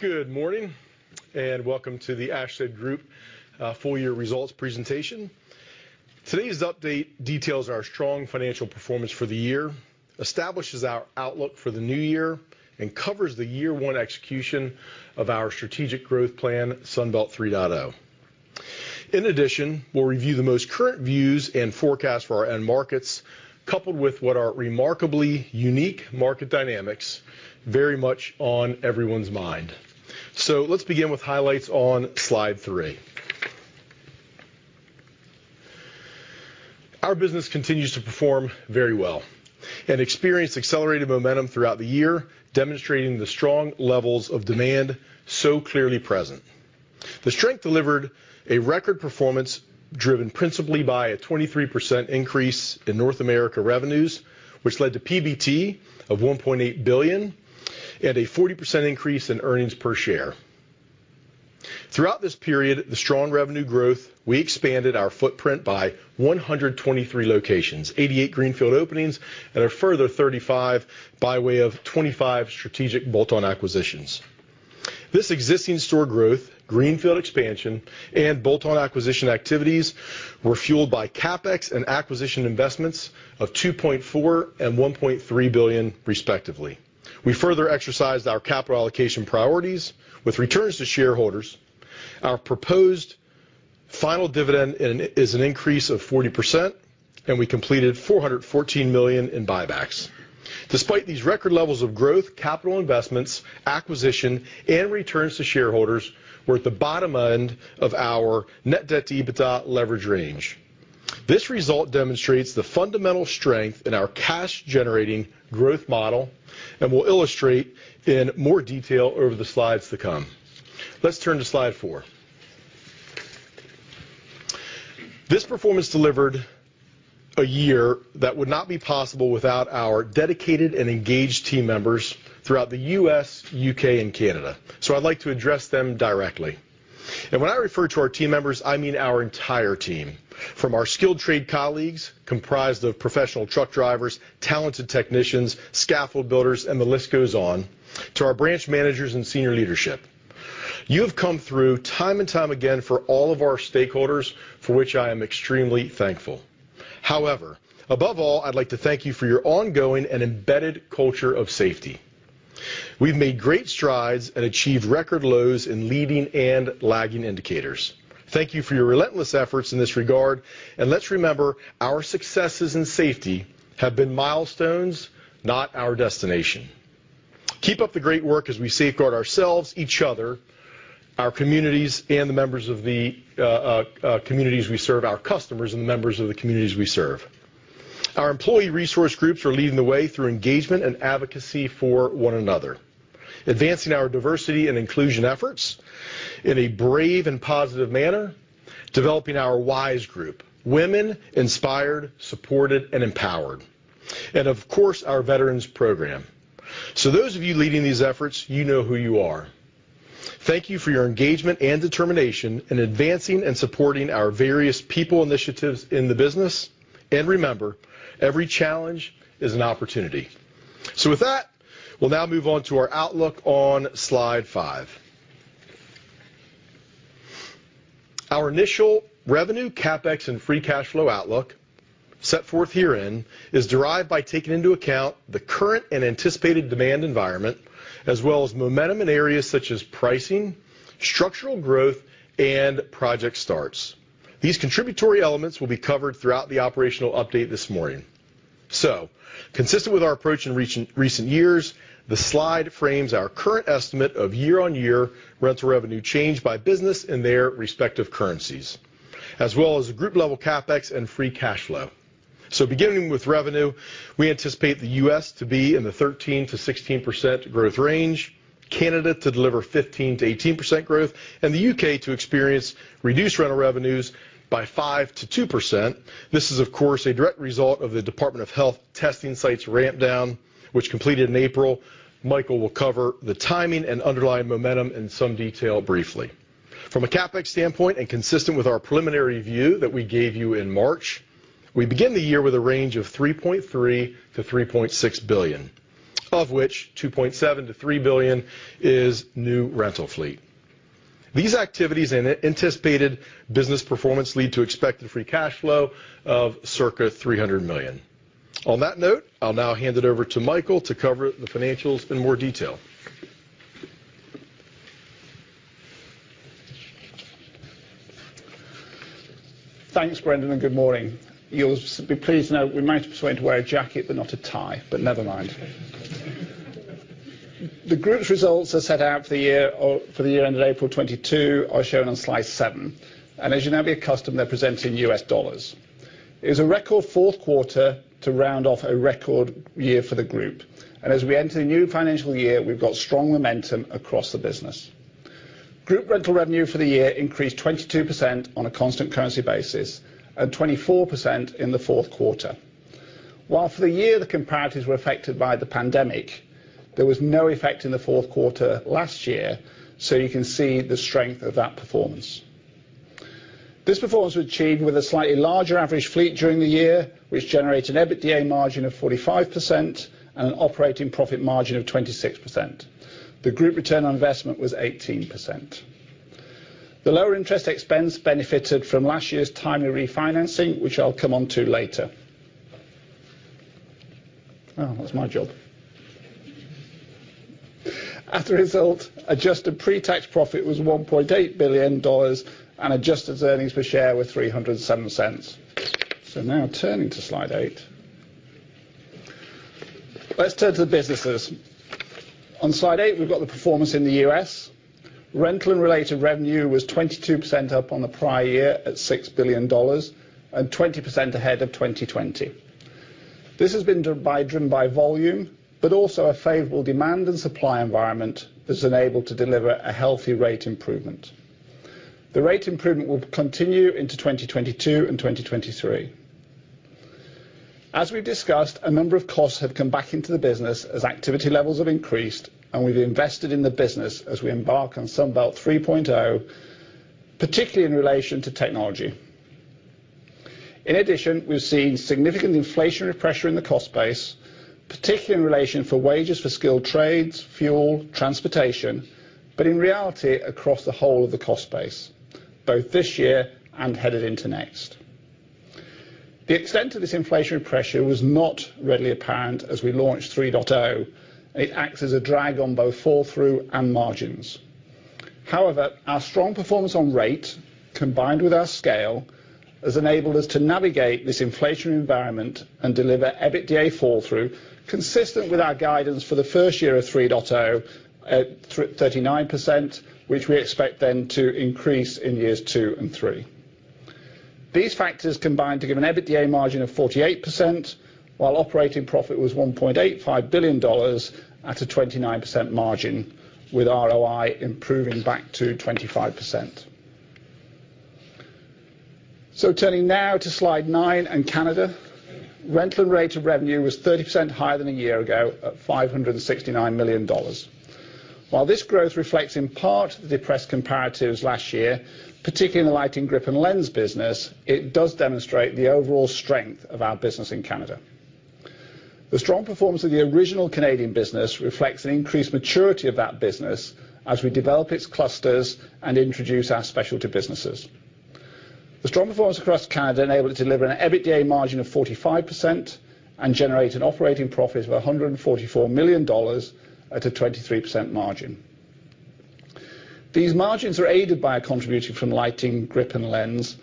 Good morning, and welcome to the Ashtead Group full year results presentation. Today's update details our strong financial performance for the year, establishes our outlook for the new year, and covers the year one execution of our strategic growth plan, Sunbelt 3.0. In addition, we'll review the most current views and forecasts for our end markets, coupled with what are remarkably unique market dynamics very much on everyone's mind. Let's begin with highlights on slide three. Our business continues to perform very well and experienced accelerated momentum throughout the year, demonstrating the strong levels of demand so clearly present. The strength delivered a record performance driven principally by a 23% increase in North America revenues, which led to PBT of $1.8 billion and a 40% increase in earnings per share. Throughout this period of the strong revenue growth, we expanded our footprint by 123 locations, 88 greenfield openings and a further 35 by way of 25 strategic bolt-on acquisitions. This existing store growth, greenfield expansion, and bolt-on acquisition activities were fueled by CapEx and acquisition investments of $2.4 billion and $1.3 billion respectively. We further exercised our capital allocation priorities with returns to shareholders. Our proposed final dividend is an increase of 40%, and we completed $414 million in buybacks. Despite these record levels of growth, capital investments, acquisition, and returns to shareholders, we're at the bottom end of our net debt to EBITDA leverage range. This result demonstrates the fundamental strength in our cash-generating growth model and will illustrate in more detail over the slides to come. Let's turn to slide four. This performance delivered a year that would not be possible without our dedicated and engaged team members throughout the U.S., U.K., and Canada. I'd like to address them directly. When I refer to our team members, I mean our entire team. From our skilled trade colleagues comprised of professional truck drivers, talented technicians, scaffold builders, and the list goes on, to our branch managers and senior leadership. You have come through time and time again for all of our stakeholders, for which I am extremely thankful. However, above all, I'd like to thank you for your ongoing and embedded culture of safety. We've made great strides and achieved record lows in leading and lagging indicators. Thank you for your relentless efforts in this regard, and let's remember our successes in safety have been milestones, not our destination. Keep up the great work as we safeguard ourselves, each other, our communities, and the members of the communities we serve, our customers. Our employee resource groups are leading the way through engagement and advocacy for one another. Advancing our diversity and inclusion efforts in a brave and positive manner. Developing our WISE group, Women Inspired, Supported and Empowered. Of course, our veterans program. Those of you leading these efforts, you know who you are. Thank you for your engagement and determination in advancing and supporting our various people initiatives in the business. Remember, every challenge is an opportunity. With that, we'll now move on to our outlook on slide five. Our initial revenue, CapEx, and Free Cash Flow outlook set forth herein is derived by taking into account the current and anticipated demand environment as well as momentum in areas such as pricing, structural growth, and project starts. These contributory elements will be covered throughout the operational update this morning. Consistent with our approach in recent years, the slide frames our current estimate of year-on-year rental revenue change by business in their respective currencies, as well as group level CapEx and Free Cash Flow. Beginning with revenue, we anticipate the U.S. to be in the 13%-16% growth range, Canada to deliver 15%-18% growth, and the UK to experience reduced rental revenues by 5%-2%. This is, of course, a direct result of the Department of Health testing sites ramp down, which completed in April. Michael will cover the timing and underlying momentum in some detail briefly. From a CapEx standpoint and consistent with our preliminary view that we gave you in March, we begin the year with a range of $3.3 billion-$3.6 billion, of which $2.7 billion-$3 billion is new rental fleet. These activities and anticipated business performance lead to expected Free Cash Flow of circa $300 million. On that note, I'll now hand it over to Michael to cover the financials in more detail. Thanks, Brendan, and good morning. You'll be pleased to know we managed to persuade him to wear a jacket but not a tie, but never mind. The group's results are set out for the year ended April 2022 are shown on slide seven. As you're now accustomed, they're presented in US dollars. It was a record fourth quarter to round off a record year for the group. As we enter the new financial year, we've got strong momentum across the business. Group rental revenue for the year increased 22% on a constant currency basis and 24% in the fourth quarter. While for the year, the comparatives were affected by the pandemic, there was no effect in the fourth quarter last year, so you can see the strength of that performance. This performance was achieved with a slightly larger average fleet during the year, which generated EBITDA margin of 45% and an operating profit margin of 26%. The group return on investment was 18%. The lower interest expense benefited from last year's timely refinancing, which I'll come on to later. Oh, that's my job. As a result, adjusted pre-tax profit was $1.8 billion, and adjusted earnings per share were $3.07. Now turning to slide eight. Let's turn to the businesses. On slide eight, we've got the performance in the U.S. Rental and related revenue was 22% up on the prior year at $6 billion and 20% ahead of 2020. This has been driven by volume, but also a favorable demand and supply environment that's enabled to deliver a healthy rate improvement. The rate improvement will continue into 2022 and 2023. As we've discussed, a number of costs have come back into the business as activity levels have increased, and we've invested in the business as we embark on Sunbelt 3.0, particularly in relation to technology. In addition, we've seen significant inflationary pressure in the cost base, particularly in relation to wages for skilled trades, fuel, transportation, but in reality, across the whole of the cost base, both this year and headed into next. The extent of this inflationary pressure was not readily apparent as we launched 3.0. It acts as a drag on both flow-through and margins. However, our strong performance on rate, combined with our scale, has enabled us to navigate this inflationary environment and deliver EBITDA flow-through, consistent with our guidance for the first year of 3.0 at 39%, which we expect then to increase in years two and three. These factors combined to give an EBITDA margin of 48%, while operating profit was $1.85 billion at a 29% margin, with ROI improving back to 25%. Turning now to slide nine and Canada. Rental and related revenue was 30% higher than a year ago at $569 million. While this growth reflects in part the depressed comparatives last year, particularly in the lighting, grip, and lens business, it does demonstrate the overall strength of our business in Canada. The strong performance of the original Canadian business reflects an increased maturity of that business as we develop its clusters and introduce our specialty businesses. The strong performance across Canada enabled to deliver an EBITDA margin of 45% and generate an operating profit of $144 million at a 23% margin. These margins are aided by a contribution from lighting, grip, and lens,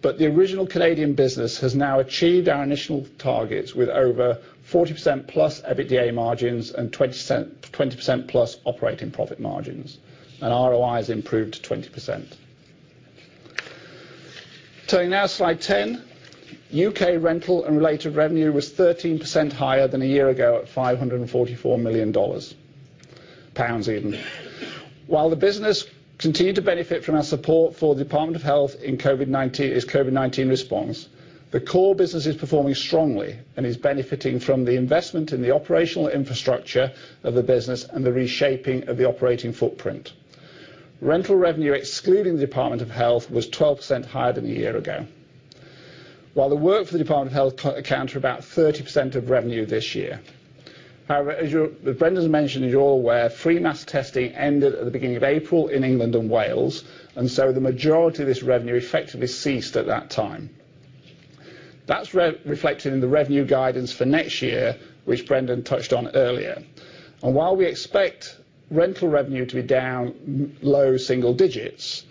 but the original Canadian business has now achieved our initial targets with over 40%+ EBITDA margins and 20%, 20%+ operating profit margins, and ROI has improved to 20%. Turning now to slide 10. UK rental and related revenue was 13% higher than a year ago at $544 million. Pounds even. While the business continued to benefit from our support for Department of Health in COVID-19 response, the core business is performing strongly and is benefiting from the investment in the operational infrastructure of the business and the reshaping of the operating footprint. Rental revenue, excluding the Department of Health, was 12% higher than a year ago. While the work for the Department of Health accounts for about 30% of revenue this year. However, as Brendan's mentioned, you're all aware, free mass testing ended at the beginning of April in England and Wales, and so the majority of this revenue effectively ceased at that time. That's reflected in the revenue guidance for next year, which Brendan touched on earlier. While we expect rental revenue to be down mid-low single digits%,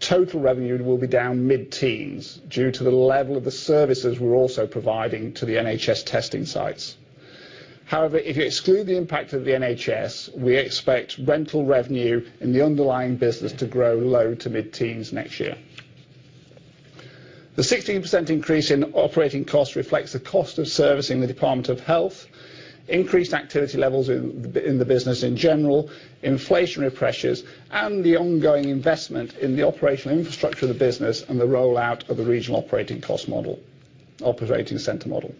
total revenue will be down mid-teens% due to the level of the services we're also providing to the NHS testing sites. However, if you exclude the impact of the NHS, we expect rental revenue in the underlying business to grow low- to mid-teens% next year. The 16% increase in operating cost reflects the cost of servicing the Department of Health, increased activity levels in the business in general, inflationary pressures, and the ongoing investment in the operational infrastructure of the business and the rollout of the regional operating center model.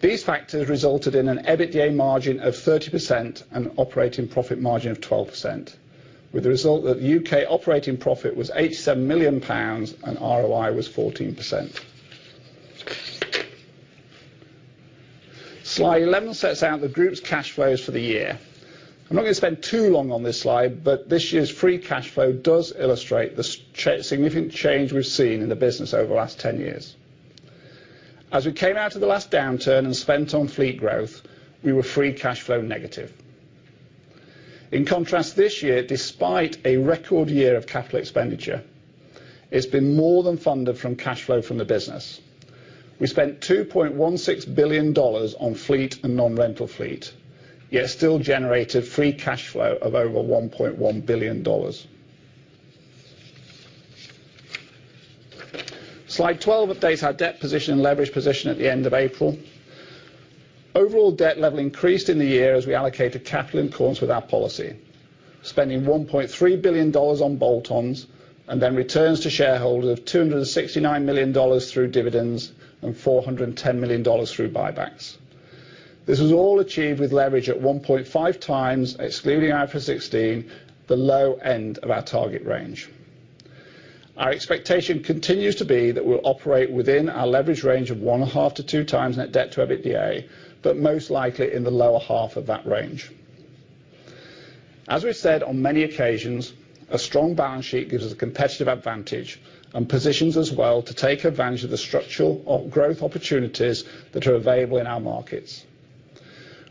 These factors resulted in an EBITDA margin of 30% and operating profit margin of 12%, with the result that UK operating profit was 87 million pounds and ROI was 14%. Slide 11 sets out the group's cash flows for the year. I'm not gonna spend too long on this slide, but this year's Free Cash Flow does illustrate the significant change we've seen in the business over the last 10 years. As we came out of the last downturn and spent on fleet growth, we were Free Cash Flow negative. In contrast, this year, despite a record year of capital expenditure, it's been more than funded from cash flow from the business. We spent $2.16 billion on fleet and non-rental fleet, yet still generated Free Cash Flow of over $1.1 billion. Slide 12 updates our debt position and leverage position at the end of April. Overall debt level increased in the year as we allocated capital in accordance with our policy, spending $1.3 billion on bolt-ons and then returns to shareholders of $269 million through dividends and $410 million through buybacks. This was all achieved with leverage at 1.5x, excluding IFRS 16, the low end of our target range. Our expectation continues to be that we'll operate within our leverage range of 0.5x-2x net debt to EBITDA, but most likely in the lower half of that range. As we've said on many occasions, a strong balance sheet gives us a competitive advantage and positions us well to take advantage of the structural growth opportunities that are available in our markets.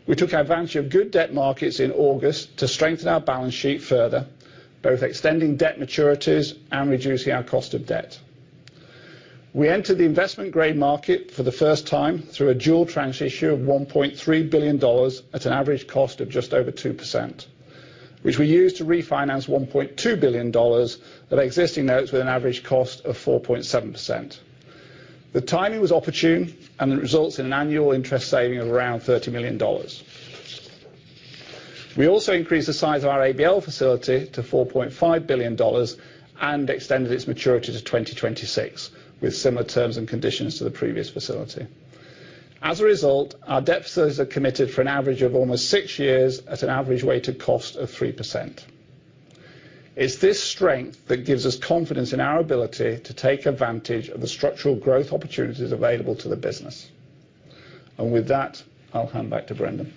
We took advantage of good debt markets in August to strengthen our balance sheet further, both extending debt maturities and reducing our cost of debt. We entered the investment-grade market for the first time through a dual tranche issue of $1.3 billion at an average cost of just over 2%, which we used to refinance $1.2 billion of existing notes with an average cost of 4.7%. The timing was opportune and it results in an annual interest saving of around $30 million. We also increased the size of our ABL facility to $4.5 billion and extended its maturity to 2026 with similar terms and conditions to the previous facility. As a result, our debt facilities are committed for an average of almost six years at an average weighted cost of 3%. It's this strength that gives us confidence in our ability to take advantage of the structural growth opportunities available to the business. With that, I'll hand back to Brendan.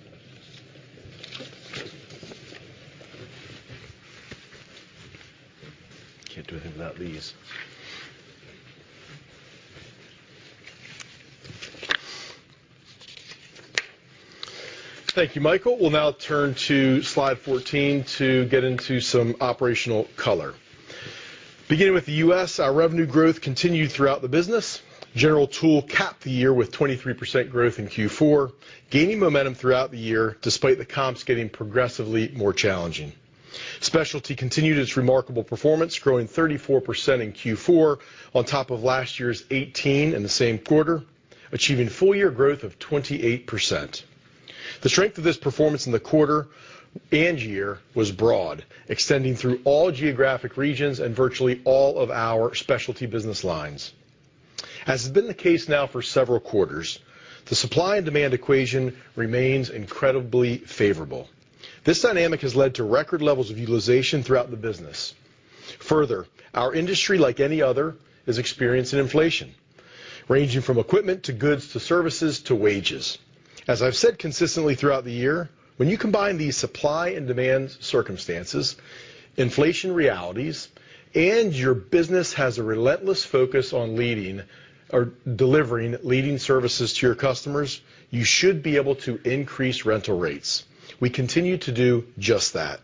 Can't do anything without these. Thank you, Michael. We'll now turn to slide 14 to get into some operational color. Beginning with the U.S., our revenue growth continued throughout the business. General Tool capped the year with 23% growth in Q4, gaining momentum throughout the year despite the comps getting progressively more challenging. Specialty continued its remarkable performance, growing 34% in Q4 on top of last year's 18% in the same quarter, achieving full year growth of 28%. The strength of this performance in the quarter and year was broad, extending through all geographic regions and virtually all of our specialty business lines. As has been the case now for several quarters, the supply and demand equation remains incredibly favorable. This dynamic has led to record levels of utilization throughout the business. Further, our industry, like any other, is experiencing inflation, ranging from equipment to goods to services to wages. As I've said consistently throughout the year, when you combine these supply and demand circumstances, inflation realities, and your business has a relentless focus on leading or delivering leading services to your customers, you should be able to increase rental rates. We continue to do just that.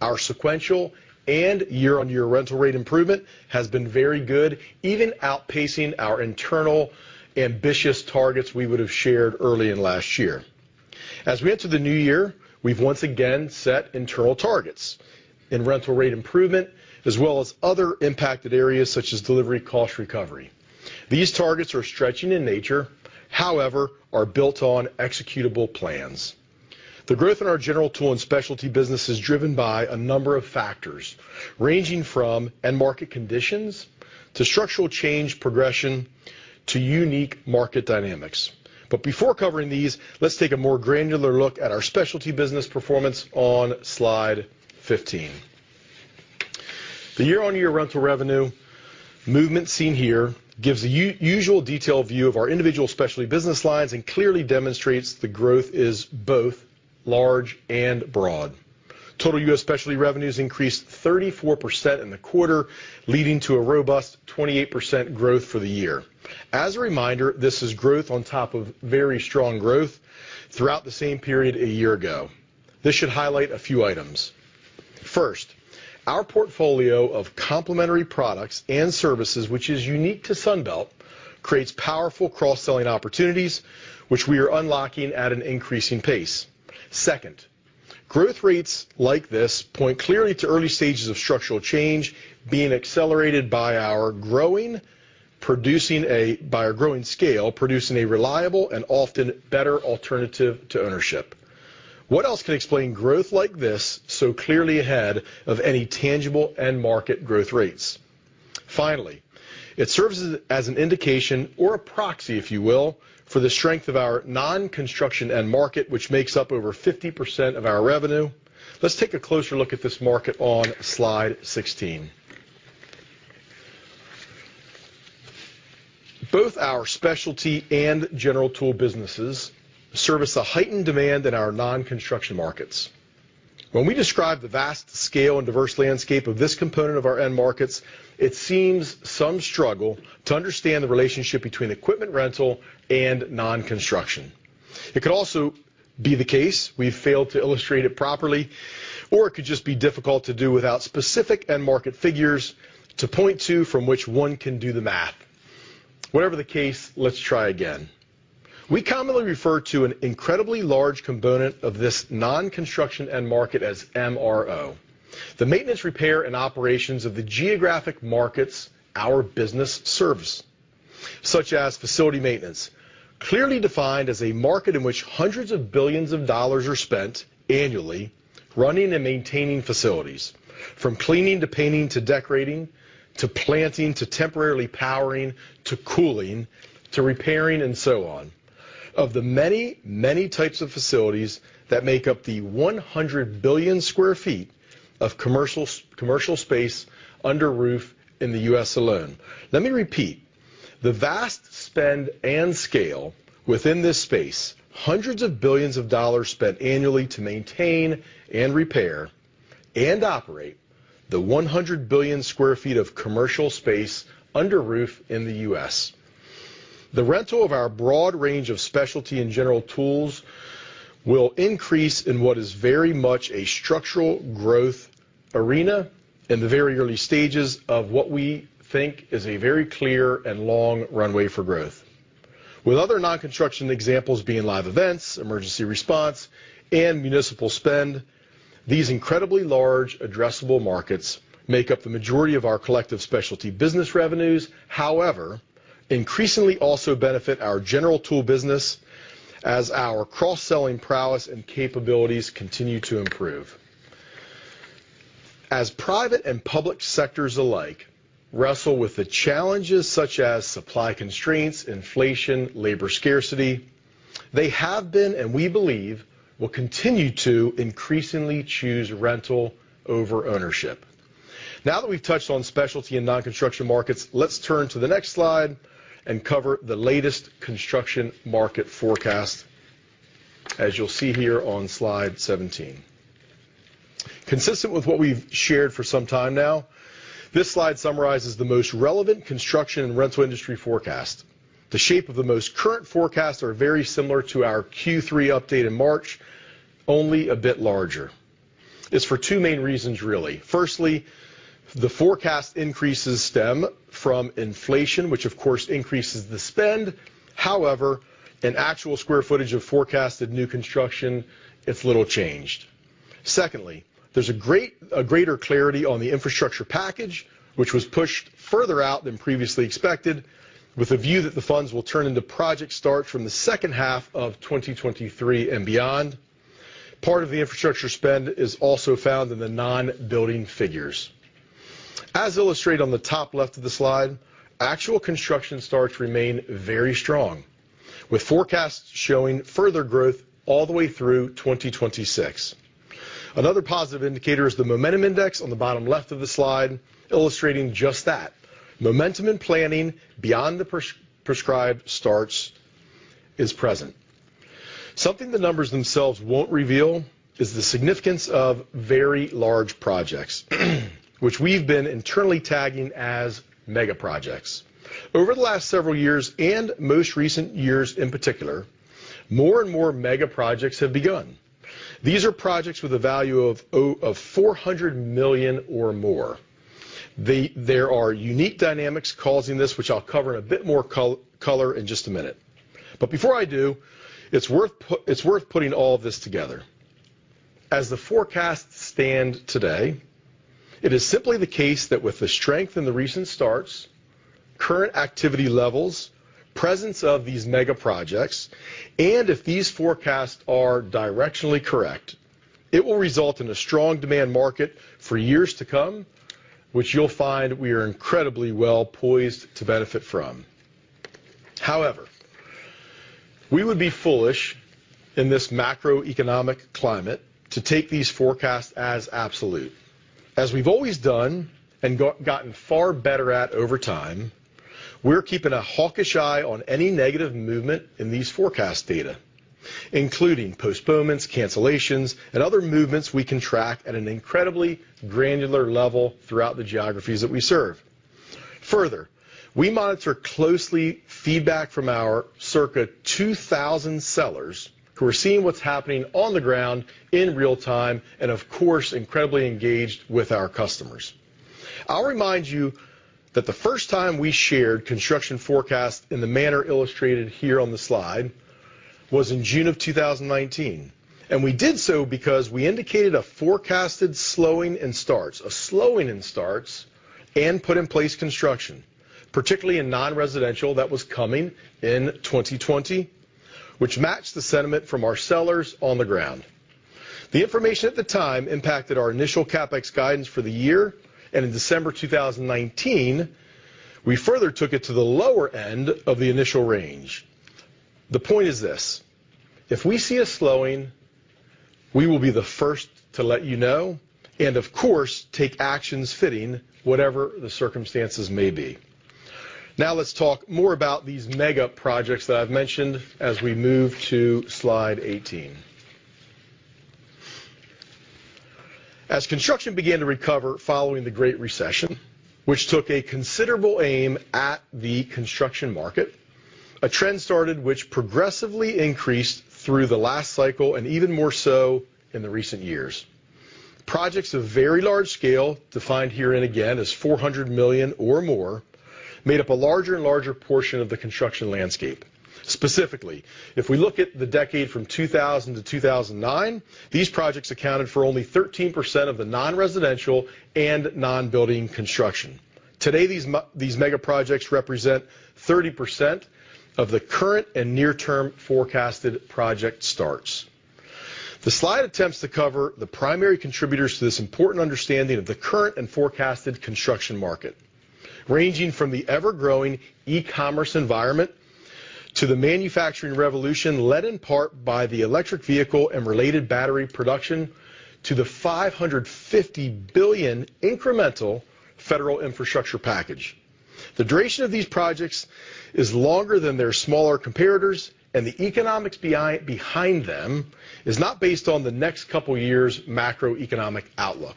Our sequential and year-on-year rental rate improvement has been very good, even outpacing our internal ambitious targets we would have shared early in last year. As we enter the new year, we've once again set internal targets in rental rate improvement, as well as other impacted areas such as delivery cost recovery. These targets are stretching in nature, however, are built on executable plans. The growth in our General Tool and specialty business is driven by a number of factors, ranging from end market conditions to structural change progression to unique market dynamics. before covering these, let's take a more granular look at our specialty business performance on slide 15. The year-on-year rental revenue movement seen here gives the usual detailed view of our individual specialty business lines and clearly demonstrates the growth is both large and broad. Total U.S. specialty revenues increased 34% in the quarter, leading to a robust 28% growth for the year. As a reminder, this is growth on top of very strong growth throughout the same period a year ago. This should highlight a few items. First, our portfolio of complementary products and services, which is unique to Sunbelt, creates powerful cross-selling opportunities which we are unlocking at an increasing pace. Second, growth rates like this point clearly to early stages of structural change being accelerated by our growing scale, producing a reliable and often better alternative to ownership. What else can explain growth like this so clearly ahead of any tangible end market growth rates? Finally, it serves as an indication or a proxy, if you will, for the strength of our non-construction end market, which makes up over 50% of our revenue. Let's take a closer look at this market on slide 16. Both our specialty and General Tool businesses service a heightened demand in our non-construction markets. When we describe the vast scale and diverse landscape of this component of our end markets, it seems some struggle to understand the relationship between equipment rental and non-construction. It could also be the case we failed to illustrate it properly, or it could just be difficult to do without specific end market figures to point to from which one can do the math. Whatever the case, let's try again. We commonly refer to an incredibly large component of this non-construction end market as MRO. The maintenance, repair, and operations of the geographic markets our business serves, such as facility maintenance, clearly defined as a market in which hundreds of billions of dollars are spent annually running and maintaining facilities. From cleaning to painting, to decorating, to planting, to temporarily powering, to cooling, to repairing, and so on. Of the many, many types of facilities that make up the 100 billion square feet of commercial space under roof in the U.S. alone. Let me repeat. The vast spend and scale within this space, hundreds of billions of dollars spent annually to maintain and repair and operate the 100 billion square feet of commercial space under roof in the U.S. The rental of our broad range of specialty and general tools will increase in what is very much a structural growth arena in the very early stages of what we think is a very clear and long runway for growth. With other non-construction examples being live events, emergency response, and municipal spend, these incredibly large addressable markets make up the majority of our collective specialty business revenues, however, increasingly also benefit our general tool business as our cross-selling prowess and capabilities continue to improve. As private and public sectors alike wrestle with the challenges such as supply constraints, inflation, labor scarcity, they have been, and we believe, will continue to increasingly choose rental over ownership. Now that we've touched on specialty and non-construction markets, let's turn to the next slide and cover the latest construction market forecast as you'll see here on slide 17. Consistent with what we've shared for some time now, this slide summarizes the most relevant construction and rental industry forecast. The shape of the most current forecasts are very similar to our Q3 update in March, only a bit larger. It's for two main reasons, really. Firstly, the forecast increases stem from inflation, which of course, increases the spend. However, in actual square footage of forecasted new construction, it's little changed. Secondly, there's a greater clarity on the infrastructure package, which was pushed further out than previously expected, with a view that the funds will turn into project start from the second half of 2023 and beyond. Part of the infrastructure spend is also found in the non-building figures. As illustrated on the top left of the slide, actual construction starts remain very strong, with forecasts showing further growth all the way through 2026. Another positive indicator is the momentum index on the bottom left of the slide, illustrating just that. Momentum and planning beyond the prescribed starts is present. Something the numbers themselves won't reveal is the significance of very large projects, which we've been internally tagging as mega projects. Over the last several years, and most recent years in particular, more and more mega projects have begun. These are projects with a value of $400 million or more. There are unique dynamics causing this, which I'll cover in a bit more color in just a minute. Before I do, it's worth putting all of this together. As the forecasts stand today, it is simply the case that with the strength in the recent starts, current activity levels, presence of these mega projects, and if these forecasts are directionally correct, it will result in a strong demand market for years to come, which you'll find we are incredibly well-poised to benefit from. However, we would be foolish in this macroeconomic climate to take these forecasts as absolute. As we've always done and go-gotten far better at over time, we're keeping a hawkish eye on any negative movement in these forecast data, including postponements, cancellations, and other movements we can track at an incredibly granular level throughout the geographies that we serve. Further, we monitor closely feedback from our circa 2,000 sellers who are seeing what's happening on the ground in real time and of course, incredibly engaged with our customers. I'll remind you that the first time we shared construction forecast in the manner illustrated here on the slide was in June 2019, and we did so because we indicated a forecasted slowing in starts, and put in place construction, particularly in non-residential that was coming in 2020, which matched the sentiment from our sellers on the ground. The information at the time impacted our initial CapEx guidance for the year, and in December 2019, we further took it to the lower end of the initial range. The point is this, if we see a slowing, we will be the first to let you know and of course, take actions fitting whatever the circumstances may be. Now, let's talk more about these mega projects that I've mentioned as we move to slide 18. As construction began to recover following the Great Recession, which took a considerable aim at the construction market, a trend started which progressively increased through the last cycle, and even more so in the recent years. Projects of very large scale, defined here and again as $400 million or more, made up a larger and larger portion of the construction landscape. Specifically, if we look at the decade from 2000 to 2009, these projects accounted for only 13% of the non-residential and non-building construction. Today, these mega projects represent 30% of the current and near-term forecasted project starts. The slide attempts to cover the primary contributors to this important understanding of the current and forecasted construction market, ranging from the ever-growing e-commerce environment to the manufacturing revolution, led in part by the electric vehicle and related battery production to the $550 billion incremental federal infrastructure package. The duration of these projects is longer than their smaller comparators, and the economics behind them is not based on the next couple years' macroeconomic outlook.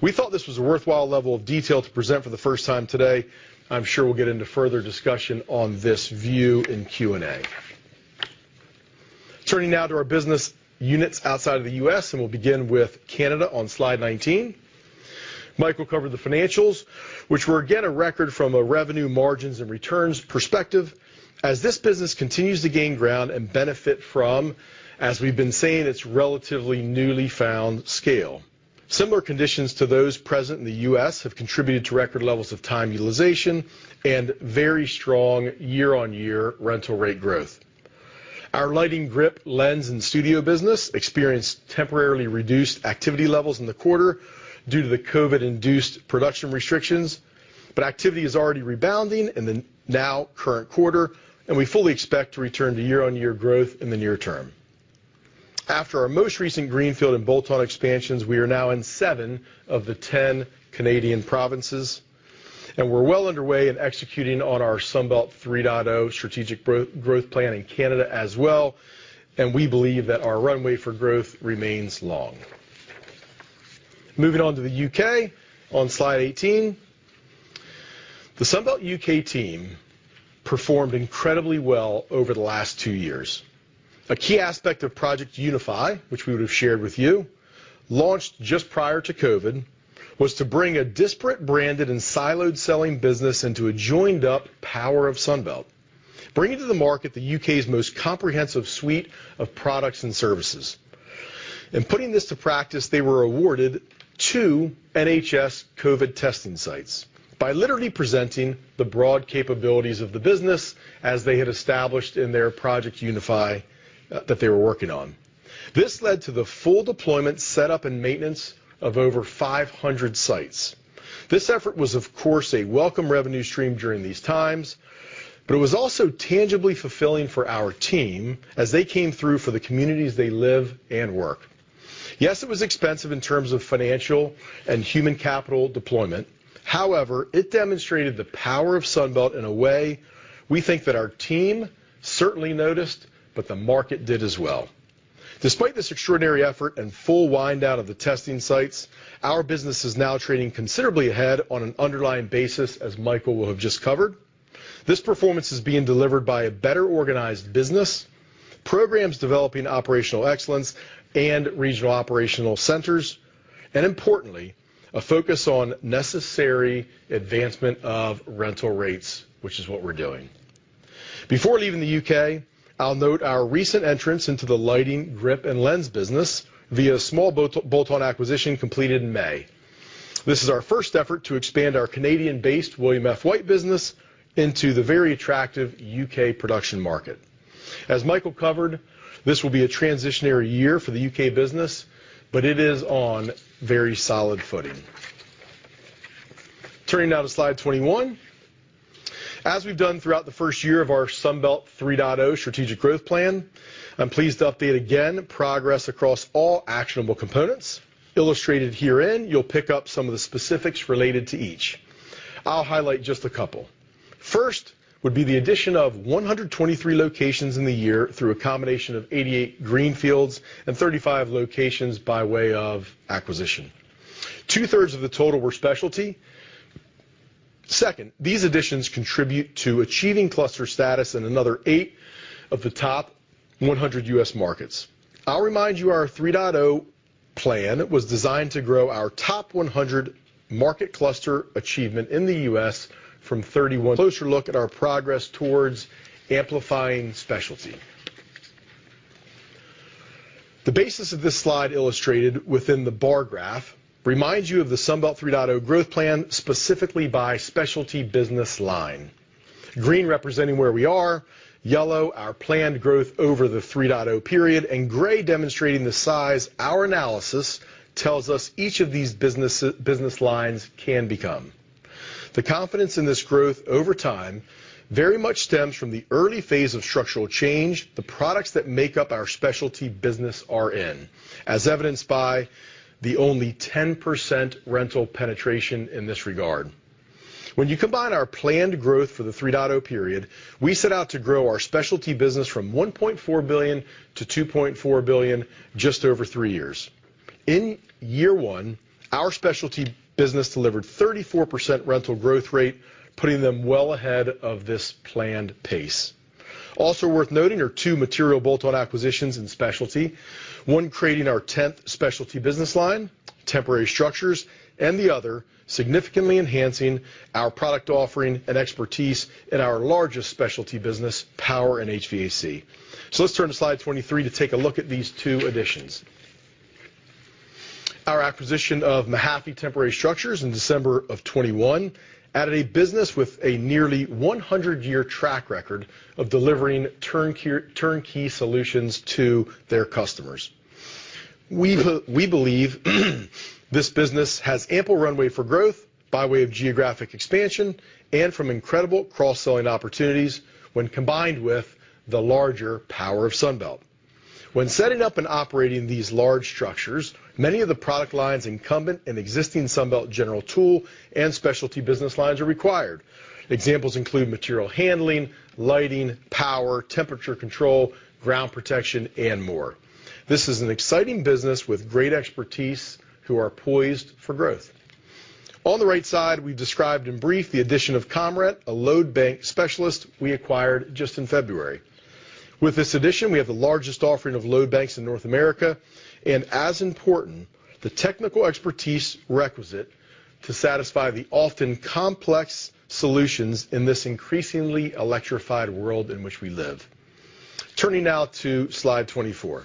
We thought this was a worthwhile level of detail to present for the first time today. I'm sure we'll get into further discussion on this view in Q&A. Turning now to our business units outside of the U.S., and we'll begin with Canada on slide 19. Michael covered the financials, which were again a record from a revenue margins and returns perspective as this business continues to gain ground and benefit from, as we've been saying, its relatively newly found scale. Similar conditions to those present in the U.S. have contributed to record levels of time utilization and very strong year-on-year rental rate growth. Our lighting, grip, lens, and studio business experienced temporarily reduced activity levels in the quarter due to the COVID-induced production restrictions, but activity is already rebounding in the now current quarter, and we fully expect to return to year-on-year growth in the near term. After our most recent greenfield and bolt-on expansions, we are now in seven of the 10 Canadian provinces, and we're well underway in executing on our Sunbelt 3.0 strategic growth plan in Canada as well, and we believe that our runway for growth remains long. Moving on to the UK on slide 18. The Sunbelt UK team performed incredibly well over the last two years. A key aspect of Project Unify, which we would have shared with you, launched just prior to COVID, was to bring a disparate branded and siloed selling business into a joined-up power of Sunbelt, bringing to the market the UK's most comprehensive suite of products and services. In putting this to practice, they were awarded two NHS COVID testing sites by literally presenting the broad capabilities of the business as they had established in their Project Unify, that they were working on. This led to the full deployment, setup, and maintenance of over 500 sites. This effort was, of course, a welcome revenue stream during these times, but it was also tangibly fulfilling for our team as they came through for the communities they live and work. Yes, it was expensive in terms of financial and human capital deployment. However, it demonstrated the power of Sunbelt in a way we think that our team certainly noticed, but the market did as well. Despite this extraordinary effort and full wind down of the testing sites, our business is now trading considerably ahead on an underlying basis, as Michael will have just covered. This performance is being delivered by a better-organized business, programs developing operational excellence and regional operational centers, and importantly, a focus on necessary advancement of rental rates, which is what we're doing. Before leaving the UK, I'll note our recent entry into the lighting, grip, and lens business via small bolt-on acquisition completed in May. This is our first effort to expand our Canadian-based William F. White International business into the very attractive UK production market. As Michael covered, this will be a transitionary year for the UK business, but it is on very solid footing. Turning now to slide 21. As we've done throughout the first year of our Sunbelt 3.0 strategic growth plan, I'm pleased to update again progress across all actionable components. Illustrated herein, you'll pick up some of the specifics related to each. I'll highlight just a couple. First, would be the addition of 123 locations in the year through a combination of 88 greenfields and 35 locations by way of acquisition. Two-thirds of the total were specialty. Second, these additions contribute to achieving cluster status in another 8 of the top 100 U.S. markets. I'll remind you, our 3.0 plan was designed to grow our top 100 market cluster achievement in the U.S. from 31. Closer look at our progress towards amplifying specialty. The basis of this slide illustrated within the bar graph reminds you of the Sunbelt 3.0 growth plan, specifically by specialty business line. Green representing where we are, yellow our planned growth over the 3.0 period, and gray demonstrating the size our analysis tells us each of these business lines can become. The confidence in this growth over time very much stems from the early phase of structural change the products that make up our specialty business are in, as evidenced by the only 10% rental penetration in this regard. When you combine our planned growth for the 3.0 period, we set out to grow our specialty business from $1.4 billion to $2.4 billion just over 3 years. In year one, our specialty business delivered 34% rental growth rate, putting them well ahead of this planned pace. Also worth noting are two material bolt-on acquisitions in specialty, one creating our tenth specialty business line, Temporary Structures, and the other significantly enhancing our product offering and expertise in our largest specialty business, Power & HVAC. Let's turn to slide 23 to take a look at these two additions. Our acquisition of Mahaffey USA in December 2021 added a business with a nearly 100-year track record of delivering turnkey solutions to their customers. We believe this business has ample runway for growth by way of geographic expansion and from incredible cross-selling opportunities when combined with the larger power of Sunbelt. When setting up and operating these large structures, many of the product lines incumbent in existing Sunbelt General Tool and specialty business lines are required. Examples include Material Handling, lighting, power, Temperature Control, Ground Protection, and more. This is an exciting business with great expertise who are poised for growth. On the right side, we described in brief the addition of ComRent, a load bank specialist we acquired just in February. With this addition, we have the largest offering of load banks in North America, and as important, the technical expertise requisite to satisfy the often complex solutions in this increasingly electrified world in which we live. Turning now to slide 24.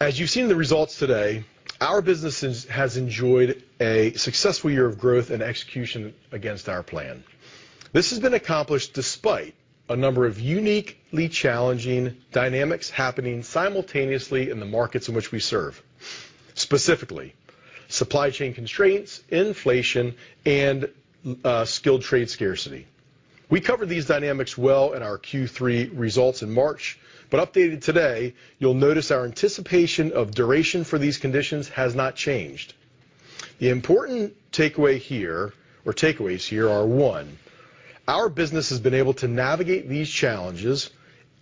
As you've seen the results today, our business has enjoyed a successful year of growth and execution against our plan. This has been accomplished despite a number of uniquely challenging dynamics happening simultaneously in the markets in which we serve, specifically supply chain constraints, inflation, and skilled trade scarcity. We covered these dynamics well in our Q3 results in March, but updated today, you'll notice our anticipation of duration for these conditions has not changed. The important takeaway here or takeaways here are, one, our business has been able to navigate these challenges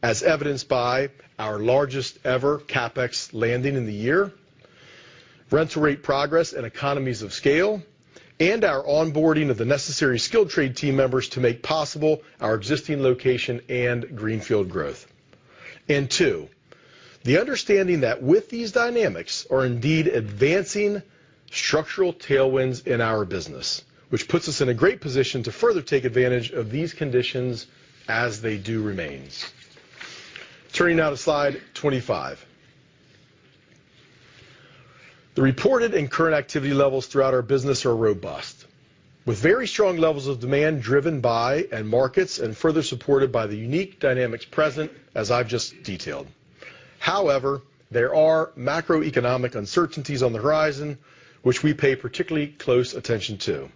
as evidenced by our largest ever CapEx landing in the year, rental rate progress and economies of scale, and our onboarding of the necessary skilled trade team members to make possible our existing location and greenfield growth. Two, the understanding that with these dynamics are indeed advancing structural tailwinds in our business, which puts us in a great position to further take advantage of these conditions as they do remains. Turning now to slide 25. The reported and current activity levels throughout our business are robust, with very strong levels of demand driven by end markets and further supported by the unique dynamics present, as I've just detailed. However, there are macroeconomic uncertainties on the horizon, which we pay particularly close attention to.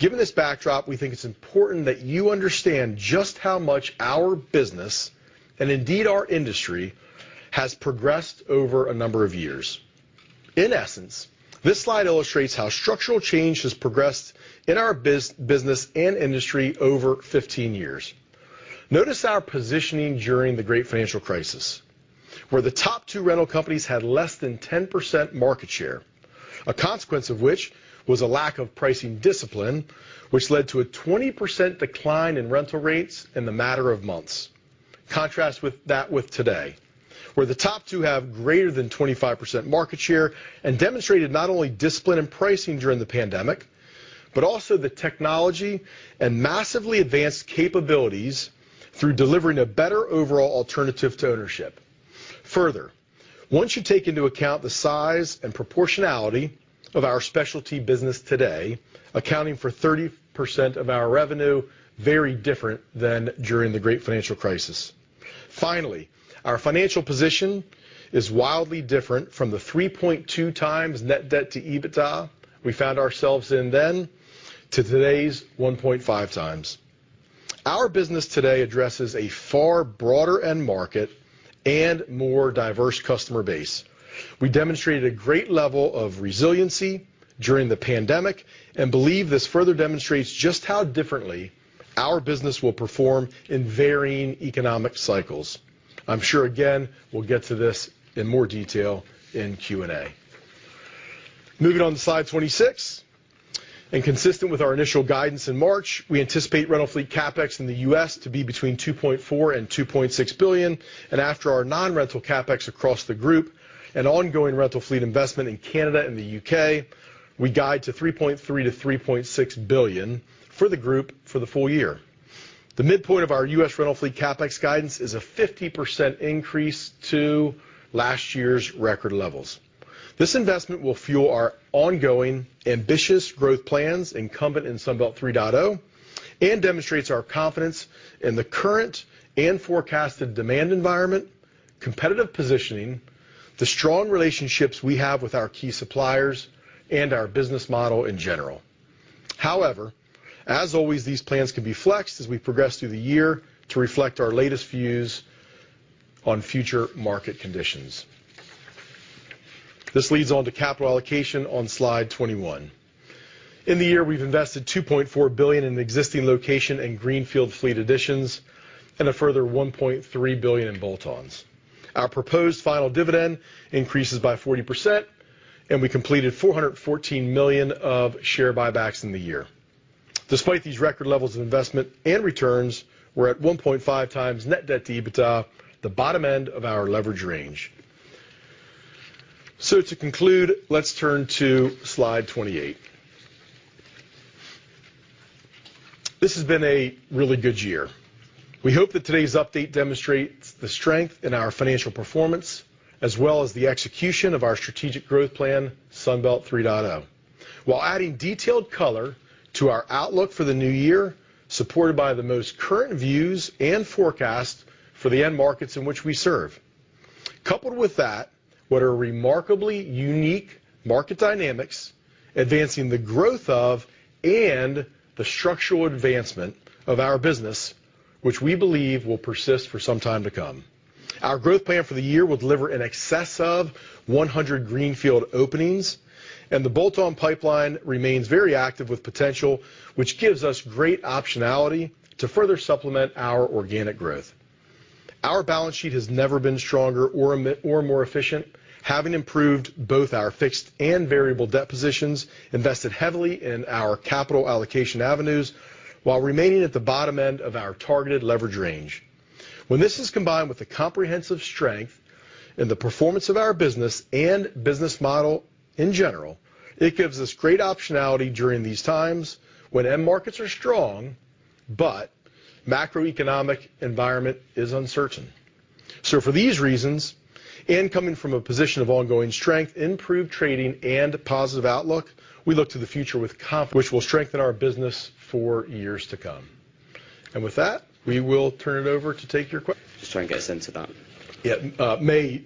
Given this backdrop, we think it's important that you understand just how much our business, and indeed our industry, has progressed over a number of years. In essence, this slide illustrates how structural change has progressed in our business and industry over 15 years. Notice our positioning during the great financial crisis, where the top two rental companies had less than 10% market share, a consequence of which was a lack of pricing discipline, which led to a 20% decline in rental rates in the matter of months. Contrast that with today, where the top two have greater than 25% market share and demonstrated not only discipline in pricing during the pandemic, but also the technology and massively advanced capabilities through delivering a better overall alternative to ownership. Further, once you take into account the size and proportionality of our specialty business today, accounting for 30% of our revenue, very different than during the great financial crisis. Finally, our financial position is wildly different from the 3.2x net debt to EBITDA we found ourselves in then to today's 1.5x. Our business today addresses a far broader end market and more diverse customer base. We demonstrated a great level of resiliency during the pandemic and believe this further demonstrates just how differently our business will perform in varying economic cycles. I'm sure, again, we'll get to this in more detail in Q&A. Moving on to slide 26. Consistent with our initial guidance in March, we anticipate rental fleet CapEx in the U.S. to be between $2.4 billion and $2.6 billion. After our non-rental CapEx across the group and ongoing rental fleet investment in Canada and the U.K., we guide to $3.3 billion-$3.6 billion for the group for the full year. The midpoint of our U.S. rental fleet CapEx guidance is a 50% increase to last year's record levels. This investment will fuel our ongoing ambitious growth plans incumbent in Sunbelt 3.0 and demonstrates our confidence in the current and forecasted demand environment, competitive positioning, the strong relationships we have with our key suppliers, and our business model in general. However, as always, these plans can be flexed as we progress through the year to reflect our latest views on future market conditions. This leads on to capital allocation on slide 21. In the year, we've invested $2.4 billion in existing location and greenfield fleet additions and a further $1.3 billion in bolt-ons. Our proposed final dividend increases by 40%, and we completed $414 million of share buybacks in the year. Despite these record levels of investment and returns, we're at 1.5x net debt to EBITDA, the bottom end of our leverage range. To conclude, let's turn to slide 28. This has been a really good year. We hope that today's update demonstrates the strength in our financial performance, as well as the execution of our strategic growth plan, Sunbelt 3.0, while adding detailed color to our outlook for the new year, supported by the most current views and forecasts for the end markets in which we serve. Coupled with that, what are remarkably unique market dynamics advancing the growth of and the structural advancement of our business, which we believe will persist for some time to come. Our growth plan for the year will deliver in excess of 100 greenfield openings, and the bolt-on pipeline remains very active with potential, which gives us great optionality to further supplement our organic growth. Our balance sheet has never been stronger or more efficient, having improved both our fixed and variable debt positions, invested heavily in our capital allocation avenues, while remaining at the bottom end of our targeted leverage range. When this is combined with the comprehensive strength in the performance of our business and business model in general, it gives us great optionality during these times when end markets are strong, but macroeconomic environment is uncertain. For these reasons, and coming from a position of ongoing strength, improved trading and positive outlook, we look to the future with confidence, which will strengthen our business for years to come. With that, we will turn it over to take your questions. Just try and get a sense of that. Yeah, May,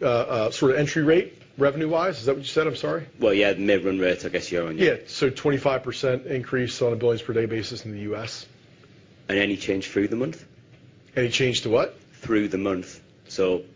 sort of entry rate revenue-wise. Is that what you said? I'm sorry. Well, yeah, mid-run rates. 25% increase on a billings per day basis in the U.S. Any change through the month? Any change to what? Through the month.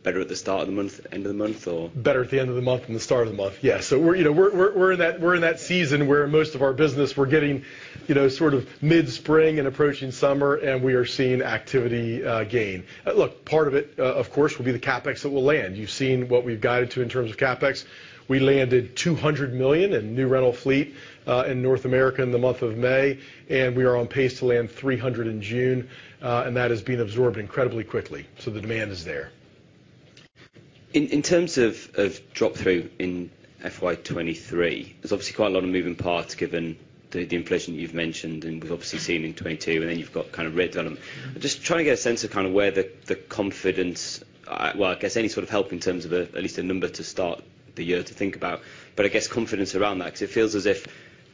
Better at the start of the month, end of the month or? Better at the end of the month than the start of the month. Yeah. We're, you know, we're in that season where most of our business we're getting, you know, sort of mid-spring and approaching summer, and we are seeing activity gain. Look, part of it, of course, will be the CapEx that will land. You've seen what we've guided to in terms of CapEx. We landed $200 million in new rental fleet in North America in the month of May, and we are on pace to land $300 million in June. And that is being absorbed incredibly quickly. The demand is there. In terms of drop-through in FY 2023, there's obviously quite a lot of moving parts given the inflation you've mentioned, and we've obviously seen in 2022, and then you've got kind of rent on them. I'm just trying to get a sense of kind of where the confidence, well, I guess, any sort of help in terms of at least a number to start the year to think about. I guess confidence around that because it feels as if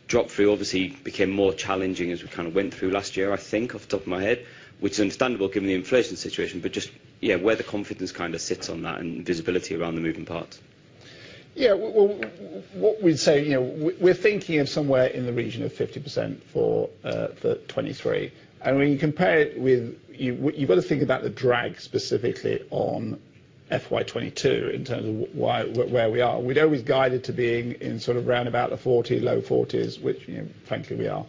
drop-through obviously became more challenging as we kind of went through last year, I think, off the top of my head, which is understandable given the inflation situation. Just, yeah, where the confidence kind of sits on that and visibility around the moving parts. Yeah. What we'd say, you know, we're thinking of somewhere in the region of 50% for 2023. When you compare it with you've got to think about the drag specifically on FY 2022 in terms of why we're where we are. We'd always guided to being in sort of roundabout the 40, low 40s, which, you know, frankly we are,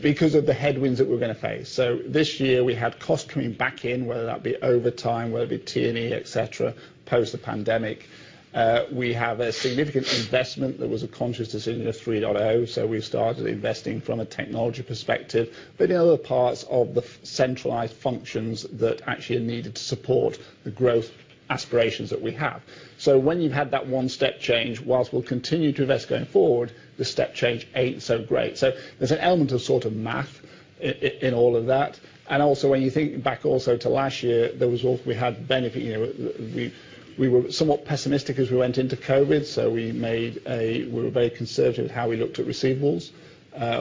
because of the headwinds that we're gonna face. This year we had costs coming back in, whether that be overtime, whether it be T&E, et cetera, post the pandemic. We have a significant investment that was a conscious decision of 3.0. We started investing from a technology perspective, but in other parts of the centralized functions that actually are needed to support the growth aspirations that we have. When you've had that one step change, while we'll continue to invest going forward, the step change ain't so great. There's an element of sort of math in all of that. Also when you think back also to last year, we had benefit. You know, we were somewhat pessimistic as we went into COVID, so we were very conservative how we looked at receivables.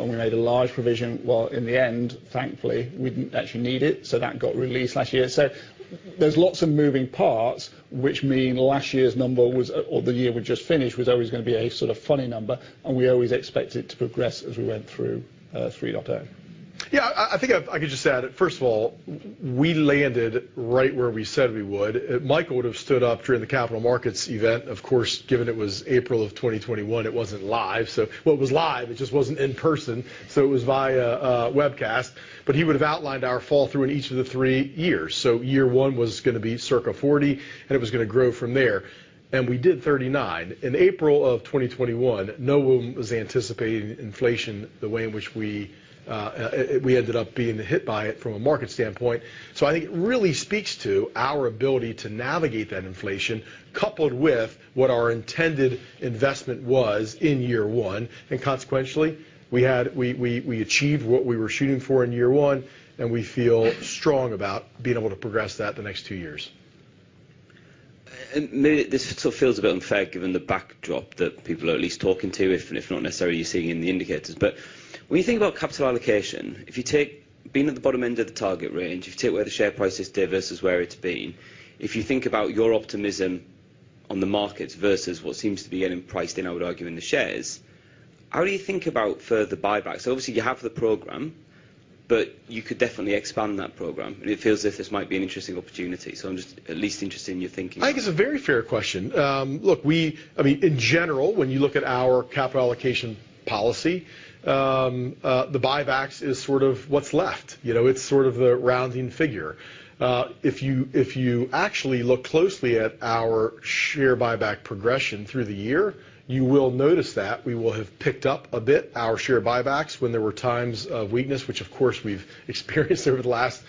And we made a large provision, while in the end, thankfully, we didn't actually need it, so that got released last year. There's lots of moving parts which mean last year's number was, or the year we just finished, was always gonna be a sort of funny number, and we always expect it to progress as we went through 3.0. Yeah. I think I can just add. First of all, we landed right where we said we would. Michael would have stood up during the capital markets event. Of course, given it was April 2021, it wasn't live. Well, it was live, it just wasn't in person, so it was via a webcast. But he would have outlined our path through in each of the three years. Year one was gonna be circa 40, and it was gonna grow from there. We did 39, in April 2021, no one was anticipating inflation the way in which we ended up being hit by it from a market standpoint. I think it really speaks to our ability to navigate that inflation, coupled with what our intended investment was in year one, and consequentially, we had. We achieved what we were shooting for in year one, and we feel strong about being able to progress that the next two years. Maybe this sort of feels a bit unfair given the backdrop that people are at least talking to, if not necessarily you're seeing in the indicators. When you think about capital allocation, if you take being at the bottom end of the target range, if you take where the share price is today versus where it's been, if you think about your optimism on the markets versus what seems to be getting priced in, I would argue, in the shares, how do you think about further buybacks? Obviously, you have the program, but you could definitely expand that program. It feels as if this might be an interesting opportunity. I'm just at least interested in your thinking on that. I think it's a very fair question. Look, I mean, in general, when you look at our capital allocation policy, the buybacks is sort of what's left. You know, it's sort of the rounding figure. If you actually look closely at our share buyback progression through the year, you will notice that we will have picked up a bit our share buybacks when there were times of weakness, which of course we've experienced over the last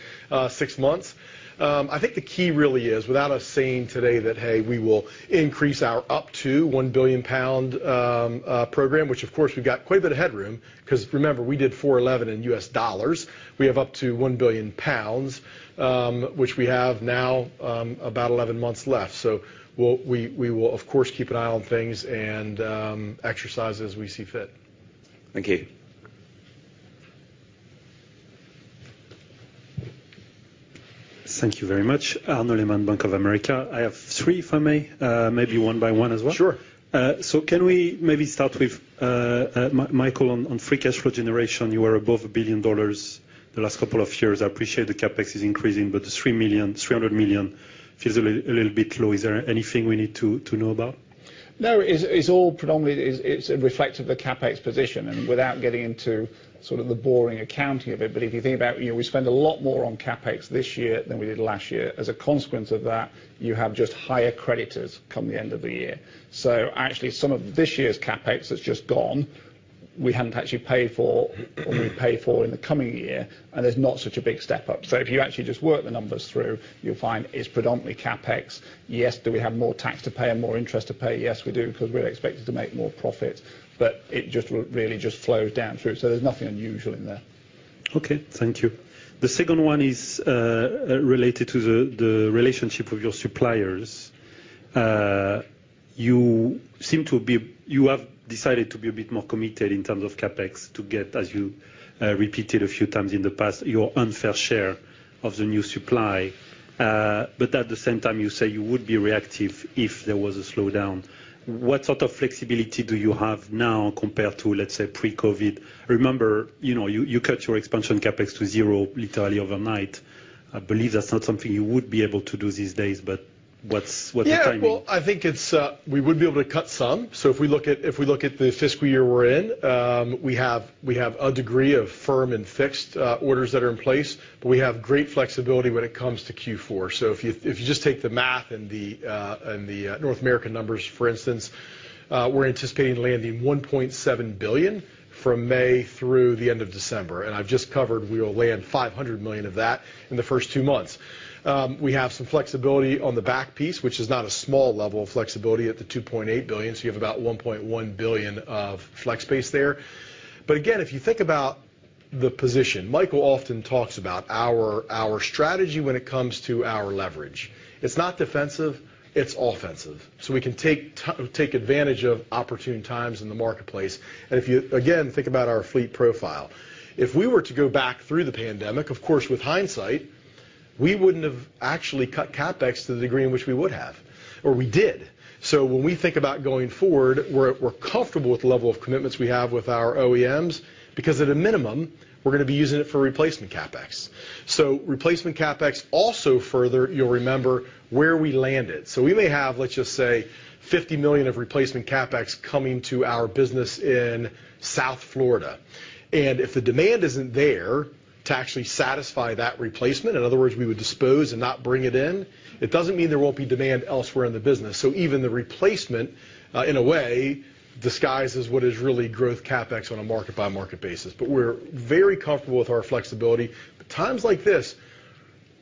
six months. I think the key really is, without us saying today that, hey, we will increase our up to 1 billion pound program, which of course we've got quite a bit of headroom because remember, we did $411 million in US dollars. We have up to 1 billion pounds, which we have now about 11 months left. We'll of course keep an eye on things and exercise as we see fit. Thank you. Thank you very much. Arnaud Lehmann, Bank of America. I have three, if I may, maybe one by one as well. Sure. Can we maybe start with Michael on Free Cash Flow generation? You are above $1 billion the last couple of years. I appreciate the CapEx is increasing, but the $300 million feels a little bit low. Is there anything we need to know about? No, it's all predominantly reflective of the CapEx position. Without getting into sort of the boring accounting of it, but if you think about, you know, we spend a lot more on CapEx this year than we did last year. As a consequence of that, you have just higher creditors come the end of the year. Actually some of this year's CapEx that's just gone, we haven't actually paid for or we pay for in the coming year, and there's not such a big step up. If you actually just work the numbers through, you'll find it's predominantly CapEx. Yes, do we have more tax to pay and more interest to pay? Yes, we do, 'cause we're expected to make more profit, but it just really just flows down through. There's nothing unusual in there. Okay. Thank you. The second one is related to the relationship with your suppliers. You have decided to be a bit more committed in terms of CapEx to get, as you repeated a few times in the past, your unfair share of the new supply. But at the same time, you say you would be reactive if there was a slowdown. What sort of flexibility do you have now compared to, let's say, pre-COVID? Remember, you know, you cut your expansion CapEx to zero literally overnight. I believe that's not something you would be able to do these days, but what's the timing? Yeah. Well, I think we would be able to cut some. If we look at the fiscal year we're in, we have a degree of firm and fixed orders that are in place, but we have great flexibility when it comes to Q4. If you just take the math in the North America numbers for instance, we're anticipating landing $1.7 billion from May through the end of December, and I've just covered we will land $500 million of that in the first two months. We have some flexibility on the back piece, which is not a small level of flexibility at the $2.8 billion. You have about $1.1 billion of flex base there. Again, if you think about the position, Michael often talks about our strategy when it comes to our leverage. It's not defensive, it's offensive. We can take advantage of opportune times in the marketplace. If you, again, think about our fleet profile, if we were to go back through the pandemic, of course with hindsight, we wouldn't have actually cut CapEx to the degree in which we would have or we did. When we think about going forward, we're comfortable with the level of commitments we have with our OEMs because at a minimum, we're gonna be using it for replacement CapEx. Replacement CapEx also further, you'll remember where we landed. We may have, let's just say $50 million of replacement CapEx coming to our business in South Florida. If the demand isn't there to actually satisfy that replacement, in other words, we would dispose and not bring it in, it doesn't mean there won't be demand elsewhere in the business. Even the replacement, in a way disguises what is really growth CapEx on a market by market basis. We're very comfortable with our flexibility. Times like this,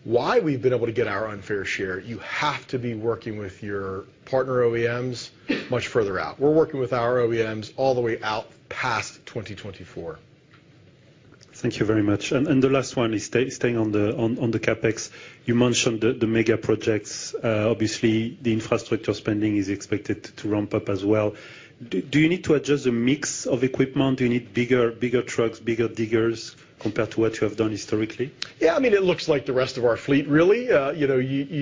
why we've been able to get our unfair share, you have to be working with your partner OEMs much further out. We're working with our OEMs all the way out past 2024. Thank you very much. The last one is staying on the CapEx. Obviously the infrastructure spending is expected to ramp up as well. Do you need to adjust the mix of equipment? Do you need bigger trucks, bigger diggers compared to what you have done historically? Yeah, I mean, it looks like the rest of our fleet really. You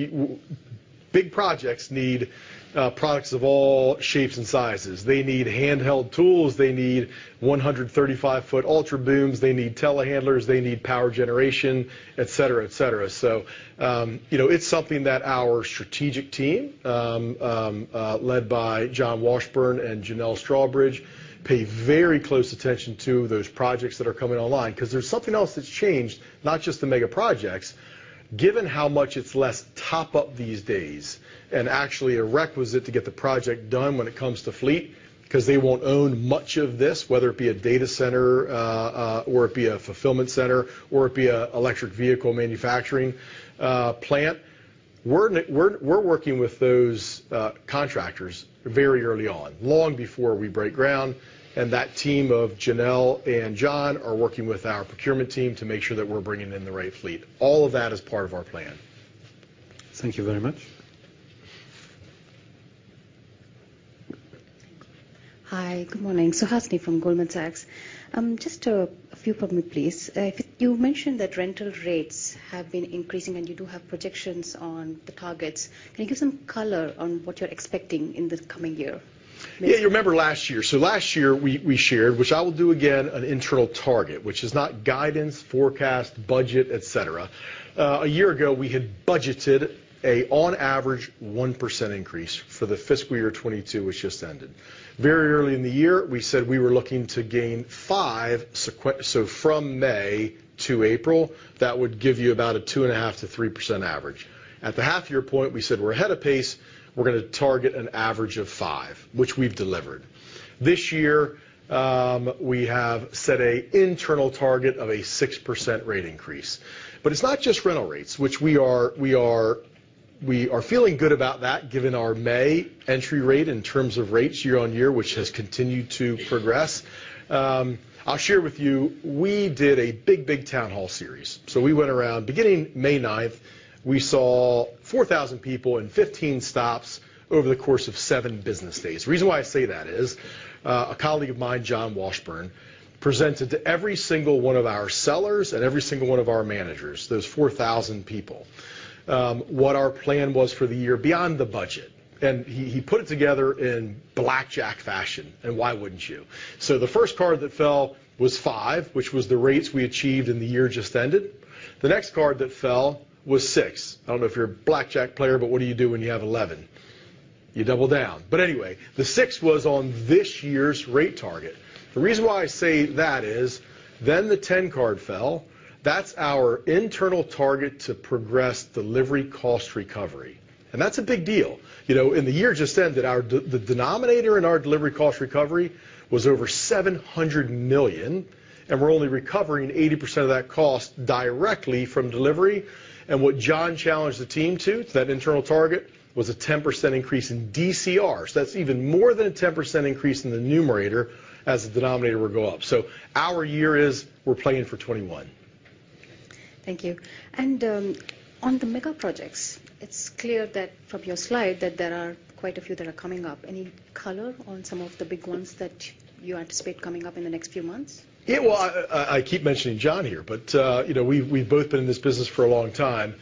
know, Big projects need products of all shapes and sizes. They need handheld tools. They need 135-foot Ultra Booms. They need Telehandlers, they need Power Generation, et cetera, et cetera. You know, it's something that our strategic team, led by John Washburn and Janelle Strawbridge, pay very close attention to those projects that are coming online. 'Cause there's something else that's changed, not just the mega projects, given how much it's less top up these days and actually a requisite to get the project done when it comes to fleet, 'cause they won't own much of this, whether it be a data center, or it be a fulfillment center or it be a electric vehicle manufacturing plant. We're working with those contractors very early on, long before we break ground. That team of Janelle and John are working with our procurement team to make sure that we're bringing in the right fleet. All of that is part of our plan. Thank you very much. Hi. Good morning. Hasti from Goldman Sachs. Just a few for me, please. You mentioned that rental rates have been increasing and you do have projections on the targets. Can you give some color on what you're expecting in the coming year? Yeah. You remember last year. Last year we shared, which I will do again, an internal target, which is not guidance, forecast, budget, et cetera. A year ago we had budgeted an average 1% increase for the fiscal year 2022, which just ended. Very early in the year, we said we were looking to gain five so from May to April, that would give you about a 2.5%-3% average. At the half year point, we said we're ahead of pace, we're gonna target an average of 5%, which we've delivered. This year, we have set an internal target of a 6% rate increase. It's not just rental rates, which we are feeling good about that given our May entry rate in terms of rates year-over-year, which has continued to progress. I'll share with you, we did a big town hall series. We went around beginning May 9th, we saw 4,000 people in 15 stops over the course of seven business days. The reason why I say that is, a colleague of mine, John Washburn, presented to every single one of our sellers and every single one of our managers, those 4,000 people, what our plan was for the year beyond the budget. He put it together in blackjack fashion, and why wouldn't you? The first card that fell was five, which was the rates we achieved in the year just ended. The next card that fell was six. I don't know if you're a blackjack player, but what do you do when you have 11? You double down. Anyway, the six was on this year's rate target. The reason why I say that is then the 10 card fell. That's our internal target to progress delivery cost recovery. That's a big deal. You know, in the year just ended, the denominator in our delivery cost recovery was over $700 million, and we're only recovering 80% of that cost directly from delivery. What John challenged the team to that internal target was a 10% increase in DCR. That's even more than a 10% increase in the numerator as the denominator will go up. Our year is we're playing for 21. Thank you. On the mega projects, it's clear that from your slide that there are quite a few that are coming up. Any color on some of the big ones that you anticipate coming up in the next few months? Yeah. Well, I keep mentioning John here, but, you know, we've both been in this business for a long time,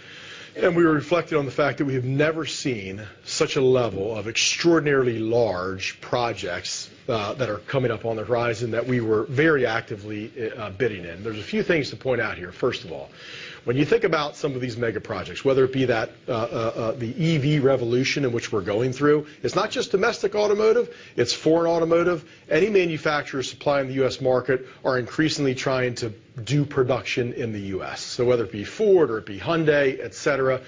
and we were reflecting on the fact that we have never seen such a level of extraordinarily large projects that are coming up on the horizon that we were very actively bidding in. There's a few things to point out here. First of all, when you think about some of these mega projects, whether it be that, the EV revolution in which we're going through, it's not just domestic automotive, it's foreign automotive. Any manufacturer supplying the U.S. market are increasingly trying to do production in the U.S. So whether it be Ford or it be Hyundai, et cetera,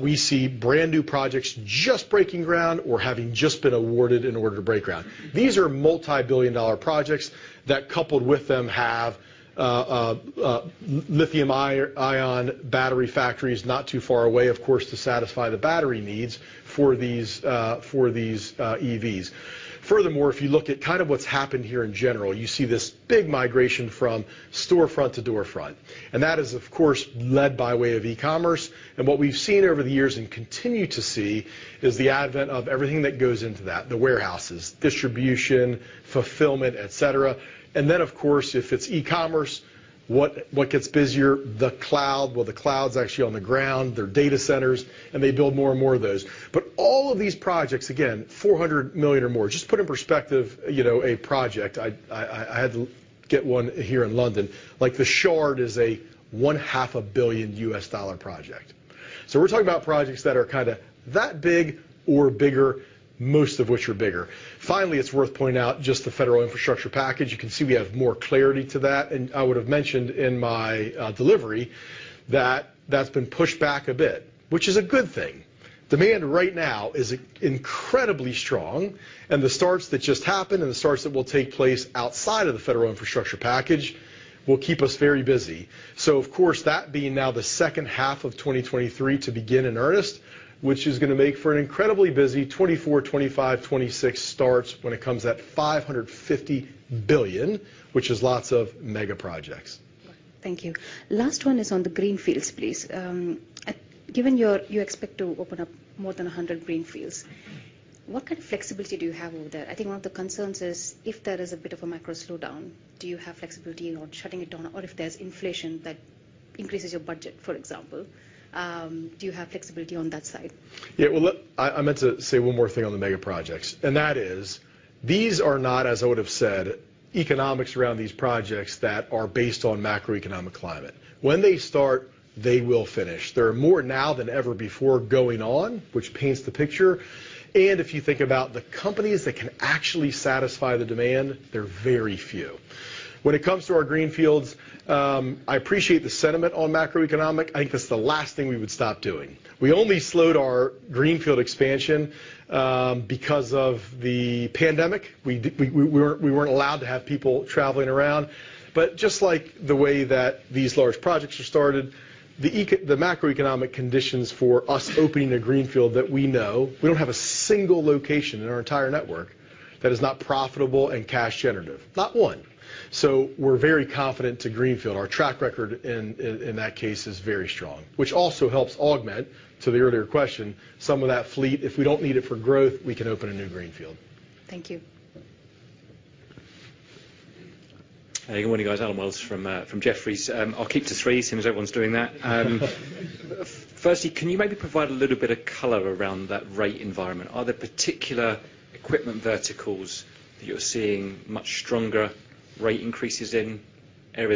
we see brand-new projects just breaking ground or having just been awarded in order to break ground. These are multi-billion-dollar projects that, coupled with them, have lithium-ion battery factories not too far away, of course, to satisfy the battery needs for these EVs. Furthermore, if you look at kind of what's happened here in general, you see this big migration from storefront to doorstep. That is, of course, led by way of e-commerce. What we've seen over the years and continue to see is the advent of everything that goes into that, the warehouses, distribution, fulfillment, et cetera. Then, of course, if it's e-commerce, what gets busier? The cloud. Well, the cloud's actually on the ground. They're data centers, and they build more and more of those. All of these projects, again, $400 million or more. Just put in perspective, you know, a project. I had to get one here in London. Like, the Shard is a one half a billion dollar project. We're talking about projects that are kinda that big or bigger, most of which are bigger. Finally, it's worth pointing out just the federal infrastructure package. You can see we have more clarity to that. I would have mentioned in my delivery that that's been pushed back a bit, which is a good thing. Demand right now is incredibly strong, and the starts that just happened and the starts that will take place outside of the federal infrastructure package will keep us very busy. Of course, that being now the second half of 2023 to begin in earnest, which is gonna make for an incredibly busy 2024, 2025, 2026 starts when it comes at $550 billion, which is lots of mega projects. Thank you. Last one is on the greenfields, please. Given you expect to open up more than 100 greenfields, what kind of flexibility do you have over there? I think one of the concerns is if there is a bit of a macro slowdown, do you have flexibility in shutting it down? Or if there's inflation that increases your budget, for example, do you have flexibility on that side? Yeah. Well, I meant to say one more thing on the mega projects, and that is, these are not, as I would have said, economics around these projects that are based on macroeconomic climate. When they start, they will finish. There are more now than ever before going on, which paints the picture. If you think about the companies that can actually satisfy the demand, they're very few. When it comes to our greenfields, I appreciate the sentiment on macroeconomic. I think that's the last thing we would stop doing. We only slowed our greenfield expansion because of the pandemic. We weren't allowed to have people traveling around. Just like the way that these large projects are started, the macroeconomic conditions for us opening a greenfield that we know, we don't have a single location in our entire network that is not profitable and cash generative. Not one. We're very confident to greenfield. Our track record in that case is very strong, which also helps augment, to the earlier question, some of that fleet. If we don't need it for growth, we can open a new greenfield. Thank you. Hey, good morning, guys. Allen Wells from Jefferies. I'll keep to three seeing as everyone's doing that. Firstly, can you maybe provide a little bit of color around that rate environment? Are there particular equipment verticals that you're seeing much stronger rate increases in? I hear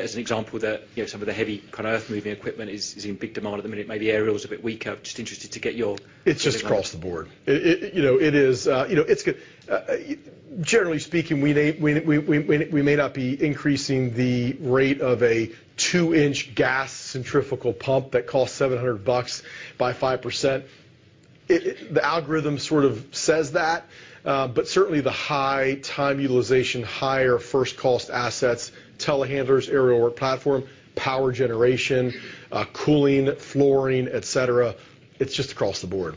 as an example that, you know, some of the heavy kind of earth-moving equipment is in big demand at the minute. Maybe aerial is a bit weaker. Just interested to get your It's just across the board. It, you know, it is, you know, generally speaking, we may not be increasing the rate of a 2-inch gas centrifugal pump that costs $700 by 5%. It, the algorithm sort of says that, but certainly the high time utilization, higher first cost assets, Telehandlers, Aerial Work Platform, Power Generation, cooling, flooring, et cetera, it's just across the board.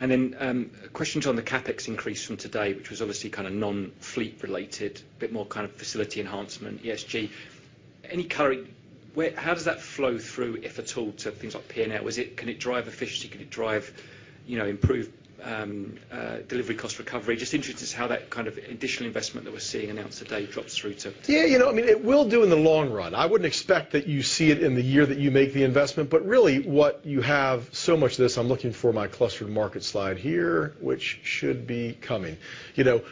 Yeah. Okay. questions on the CapEx increase from today, which was obviously kind of non-fleet related, a bit more kind of facility enhancement, ESG. How does that flow through, if at all, to things like P&L? Can it drive efficiency? Can it drive, you know, improved delivery cost recovery? Just interested how that kind of additional investment that we're seeing announced today drops through to Yeah, you know, I mean, it will do in the long run. I wouldn't expect that you see it in the year that you make the investment. Really what you have. I'm looking for my cluster market slide here, which should be coming. You know,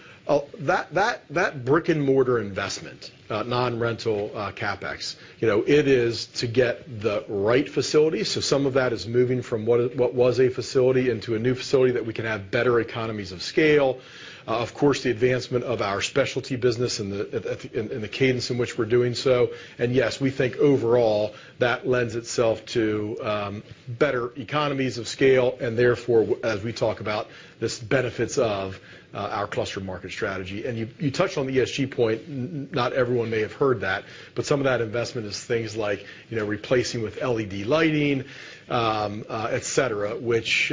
that brick-and-mortar investment, non-rental CapEx, you know, it is to get the right facility. Some of that is moving from what was a facility into a new facility that we can have better economies of scale. Of course, the advancement of our specialty business and the cadence in which we're doing so. Yes, we think overall that lends itself to better economies of scale, and therefore, as we talk about these benefits of our cluster market strategy. You touched on the ESG point. Not everyone may have heard that, but some of that investment is things like, you know, replacing with LED lighting, et cetera, which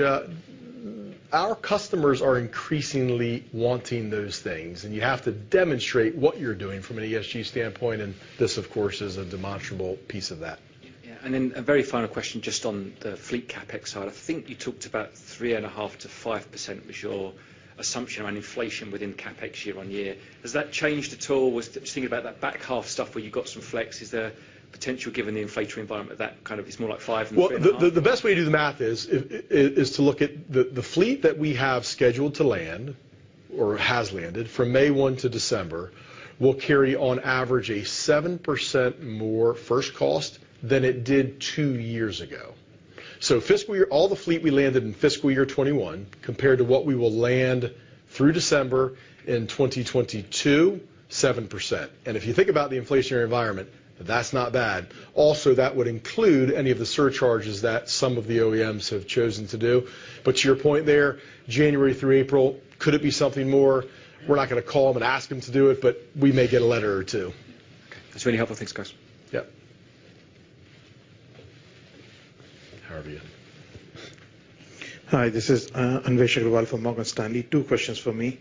our customers are increasingly wanting those things, and you have to demonstrate what you're doing from an ESG standpoint, and this, of course, is a demonstrable piece of that. Yeah. Then a very final question just on the fleet CapEx side. I think you talked about 3.5%-5% was your assumption around inflation within CapEx year-over-year. Has that changed at all? Just thinking about that back half stuff where you got some flex, is there potential given the inflationary environment that kind of is more like five than 3.5? Well, the best way to do the math is to look at the fleet that we have scheduled to land or has landed from May 1 to December, will carry on average a 7% more first cost than it did 2 years ago. Fiscal year, all the fleet we landed in fiscal year 2021 compared to what we will land through December in 2022, 7%. If you think about the inflationary environment, that's not bad. Also, that would include any of the surcharges that some of the OEMs have chosen to do. To your point there, January through April, could it be something more? We're not gonna call them and ask them to do it, but we may get a letter or two. Okay. That's really helpful. Thanks, guys. Yeah. How are you? Hi, this is Anvesh Agrawal from Morgan Stanley. Two questions for me.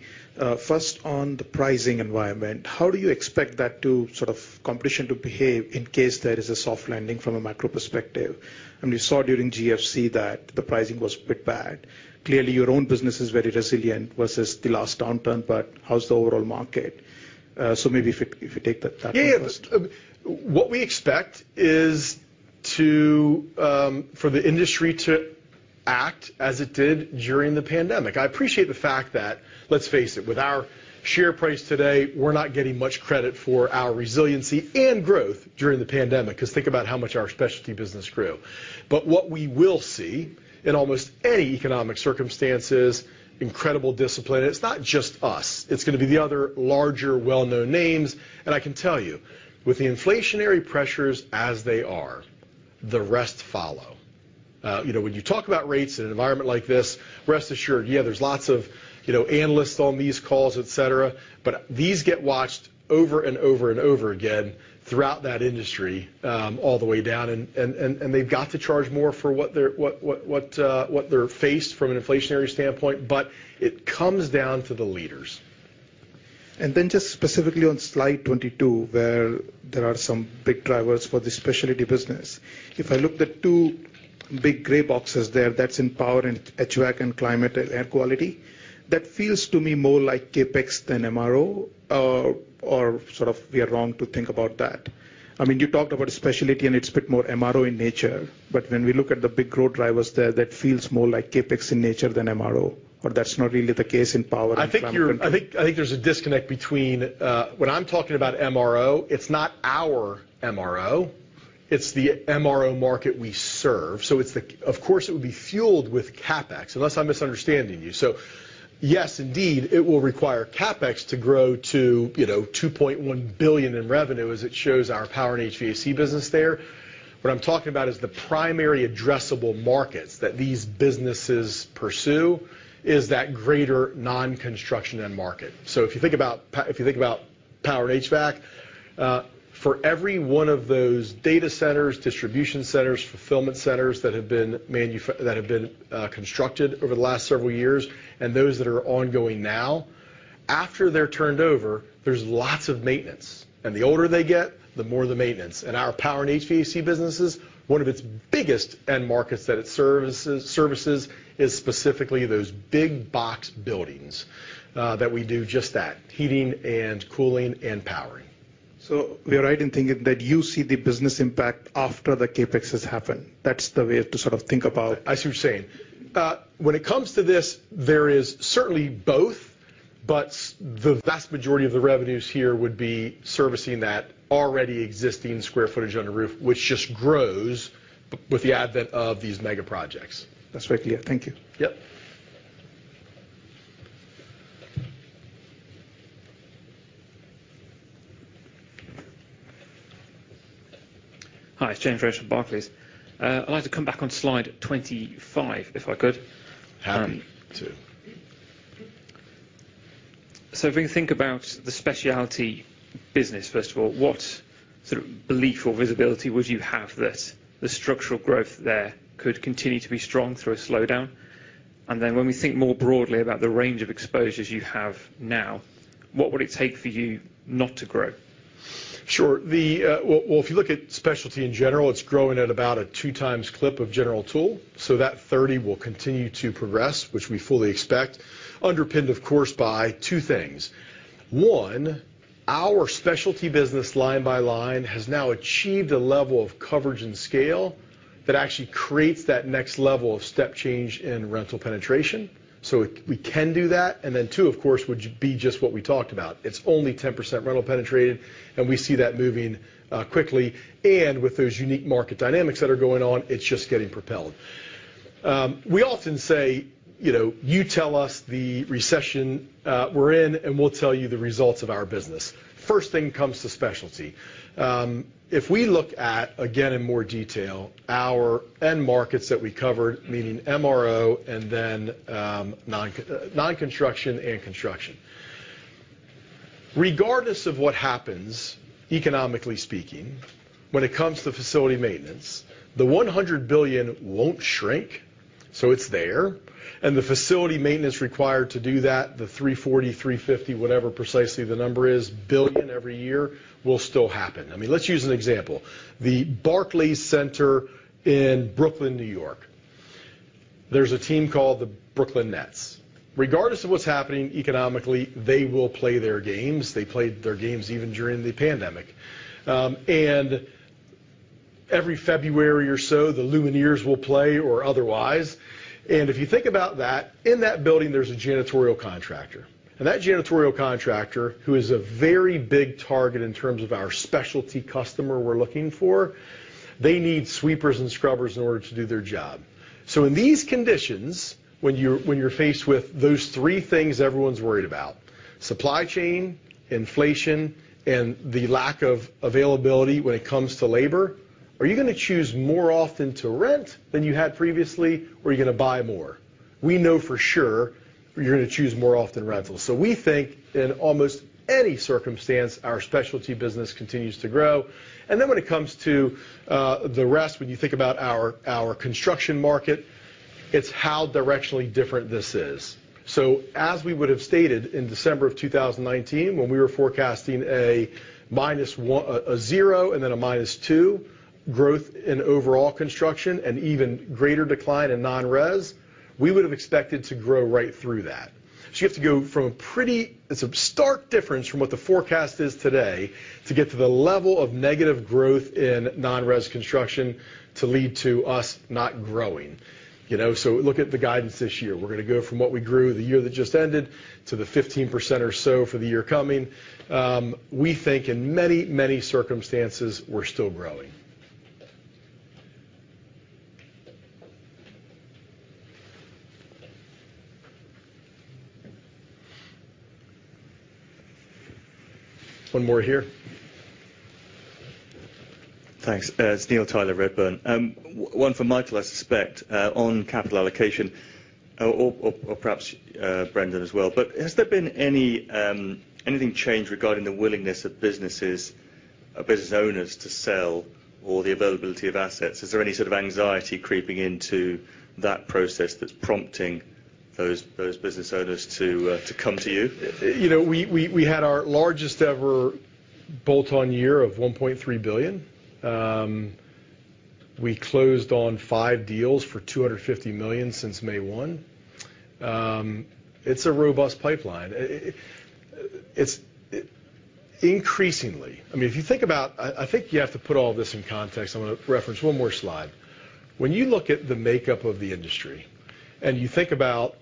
First on the pricing environment, how do you expect that sort of competition to behave in case there is a soft landing from a macro perspective? We saw during GFC that the pricing was a bit bad. Clearly, your own business is very resilient versus the last downturn, but how's the overall market? Maybe if you take that first. Yeah, yeah. What we expect is for the industry to act as it did during the pandemic. I appreciate the fact that, let's face it, with our share price today, we're not getting much credit for our resiliency and growth during the pandemic, 'cause think about how much our specialty business grew. But what we will see in almost any economic circumstances, incredible discipline. It's not just us. It's gonna be the other larger well-known names. I can tell you, with the inflationary pressures as they are, the rest follow. You know, when you talk about rates in an environment like this, rest assured, yeah, there's lots of, you know, analysts on these calls, et cetera, but these get watched over and over and over again throughout that industry, all the way down. They've got to charge more for what they're faced with from an inflationary standpoint, but it comes down to the leaders. Just specifically on slide 22, where there are some big drivers for the specialty business. If I look at the two big gray boxes there, that's in Power & HVAC and climate and air quality. That feels to me more like CapEx than MRO, or sort of we are wrong to think about that. I mean, you talked about specialty, and it's a bit more MRO in nature. When we look at the big growth drivers there, that feels more like CapEx in nature than MRO, or that's not really the case in power and climate control. I think there's a disconnect between when I'm talking about MRO. It's not our MRO. It's the MRO market we serve. Of course, it would be fueled with CapEx, unless I'm misunderstanding you. Yes, indeed, it will require CapEx to grow to, you know, $2.1 billion in revenue as it shows our Power & HVAC business there. What I'm talking about is the primary addressable markets that these businesses pursue is that greater non-construction end market. If you think about Power & HVAC, for every one of those data centers, distribution centers, fulfillment centers that have been constructed over the last several years and those that are ongoing now, after they're turned over, there's lots of maintenance. The older they get, the more the maintenance. Our Power & HVAC businesses, one of its biggest end markets that it services is specifically those big box buildings that we do just that, heating and cooling and powering. We are right in thinking that you see the business impact after the CapEx has happened. That's the way to sort of think about- As you're saying. When it comes to this, there is certainly both, but the vast majority of the revenues here would be servicing that already existing square footage under roof, which just grows with the advent of these mega projects. That's very clear. Thank you. Yep. Hi, it's Reginald Watson, Barclays. I'd like to come back on slide 25, if I could. Happy to. If we can think about the specialty business, first of all, what sort of belief or visibility would you have that the structural growth there could continue to be strong through a slowdown? And then when we think more broadly about the range of exposures you have now, what would it take for you not to grow? Sure. Well, if you look at specialty in general, it's growing at about a 2x clip of General Tool. That 30 will continue to progress, which we fully expect. Underpinned, of course, by two things. One, our specialty business line by line has now achieved a level of coverage and scale that actually creates that next level of step change in rental penetration. We can do that, and then two, of course, would be just what we talked about. It's only 10% rental penetrated, and we see that moving quickly. With those unique market dynamics that are going on, it's just getting propelled. We often say, you know, you tell us the recession we're in, and we'll tell you the results of our business. First thing comes to specialty. If we look at, again, in more detail, our end markets that we covered, meaning MRO and then non-construction and construction. Regardless of what happens, economically speaking, when it comes to facility maintenance, the $100 billion won't shrink, so it's there. The facility maintenance required to do that, the $340 billion-$350 billion, whatever precisely the number is, every year, will still happen. I mean, let's use an example. The Barclays Center in Brooklyn, New York. There's a team called the Brooklyn Nets. Regardless of what's happening economically, they will play their games. They played their games even during the pandemic. Every February or so, the Lumineers will play or otherwise. If you think about that, in that building, there's a janitorial contractor. That janitorial contractor, who is a very big target in terms of our specialty customer we're looking for, they need sweepers and scrubbers in order to do their job. In these conditions, when you're faced with those three things everyone's worried about supply chain, inflation, and the lack of availability when it comes to labor, are you gonna choose more often to rent than you had previously, or are you gonna buy more? We know for sure you're gonna choose more often rental. We think in almost any circumstance, our specialty business continues to grow. Then when it comes to the rest, when you think about our construction market, it's how directionally different this is. As we would have stated in December 2019 when we were forecasting a -1—a 0% and then a -2% growth in overall construction and even greater decline in non-res, we would have expected to grow right through that. You have to go from a pretty. It's a stark difference from what the forecast is today to get to the level of negative growth in non-res construction to lead to us not growing. You know? Look at the guidance this year. We're gonna go from what we grew the year that just ended to the 15% or so for the year coming. We think in many circumstances, we're still growing. One more here. Thanks. It's Neil Tyler, Redburn. One for Michael, I suspect, on capital allocation or perhaps Brendan as well. Has there been any change regarding the willingness of businesses or business owners to sell or the availability of assets? Is there any sort of anxiety creeping into that process that's prompting those business owners to come to you? You know, we had our largest-ever bolt-on year of $1.3 billion. We closed on five deals for $250 million since May 1. It's a robust pipeline. It's increasingly. I mean, if you think about, I think you have to put all this in context. I'm gonna reference one more slide. When you look at the makeup of the industry and you think about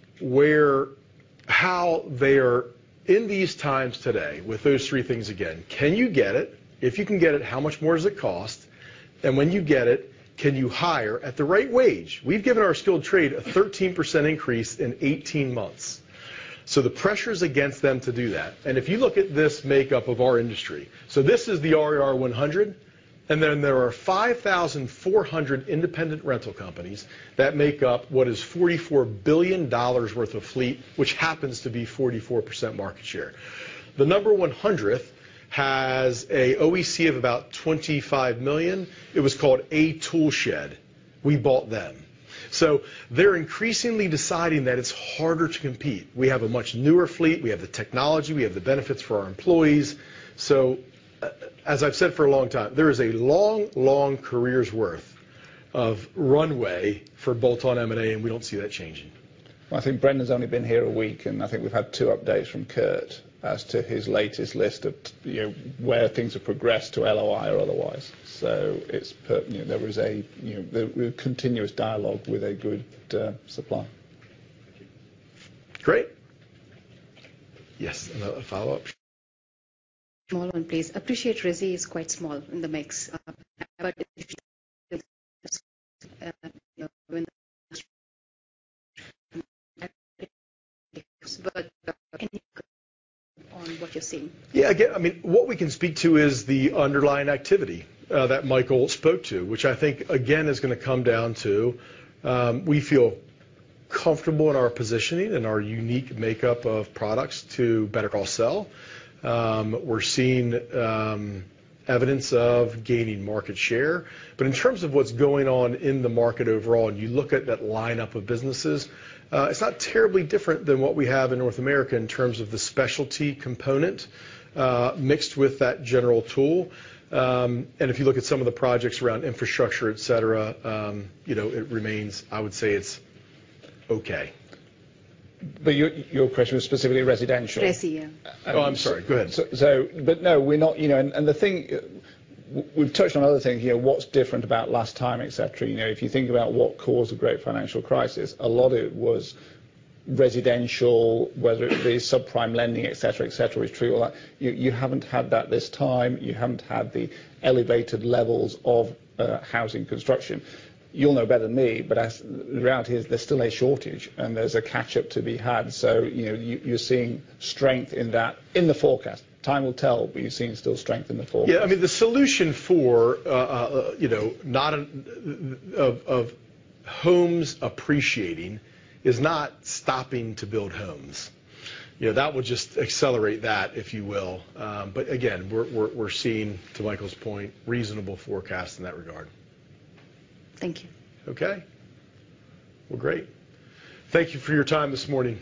how they're. In these times today, with those three things again, can you get it? If you can get it, how much more does it cost? When you get it, can you hire at the right wage? We've given our skilled trade a 13% increase in 18 months. The pressure is against them to do that. If you look at this makeup of our industry. This is the RER 100, and then there are 5,400 independent rental companies that make up what is $44 billion worth of fleet, which happens to be 44% market share. The 100th has a OEC of about $25 million. It was called A Tool Shed. We bought them. They're increasingly deciding that it's harder to compete. We have a much newer fleet, we have the technology, we have the benefits for our employees. I've said for a long time, there is a long, long career's worth of runway for bolt-on M&A, and we don't see that changing. I think Brendan's only been here a week, and I think we've had two updates from Kurt as to his latest list of, you know, where things have progressed to LOI or otherwise. You know, there is a, you know, the continuous dialogue with a good supply. Great. Yes, another follow-up. Small one, please. Appreciate resi is quite small in the mix. But if you. Yeah. Again, I mean, what we can speak to is the underlying activity that Michael spoke to, which I think again is gonna come down to. We feel comfortable in our positioning and our unique makeup of products to better cross-sell. We're seeing evidence of gaining market share. In terms of what's going on in the market overall, and you look at that lineup of businesses, it's not terribly different than what we have in North America in terms of the specialty component mixed with that General Tool. If you look at some of the projects around infrastructure, et cetera, you know, it remains. I would say it's okay. Your question was specifically residential. Resi, yeah. Oh, I'm sorry. Go ahead. No, we're not, you know. We've touched on another thing here, what's different about last time, et cetera. You know, if you think about what caused the great financial crisis, a lot of it was residential, whether it be subprime lending, et cetera, et cetera. It's true, all that. You haven't had that this time. You haven't had the elevated levels of housing construction. You'll know better than me, but the reality is there's still a shortage and there's a catch-up to be had. You know, you're seeing strength in that in the forecast. Time will tell, but you're seeing still strength in the forecast. Yeah. I mean, the solution for you know not of homes appreciating is not stopping to build homes. You know, that would just accelerate that, if you will. Again, we're seeing, to Michael's point, reasonable forecasts in that regard. Thank you. Okay. Well, great. Thank you for your time this morning.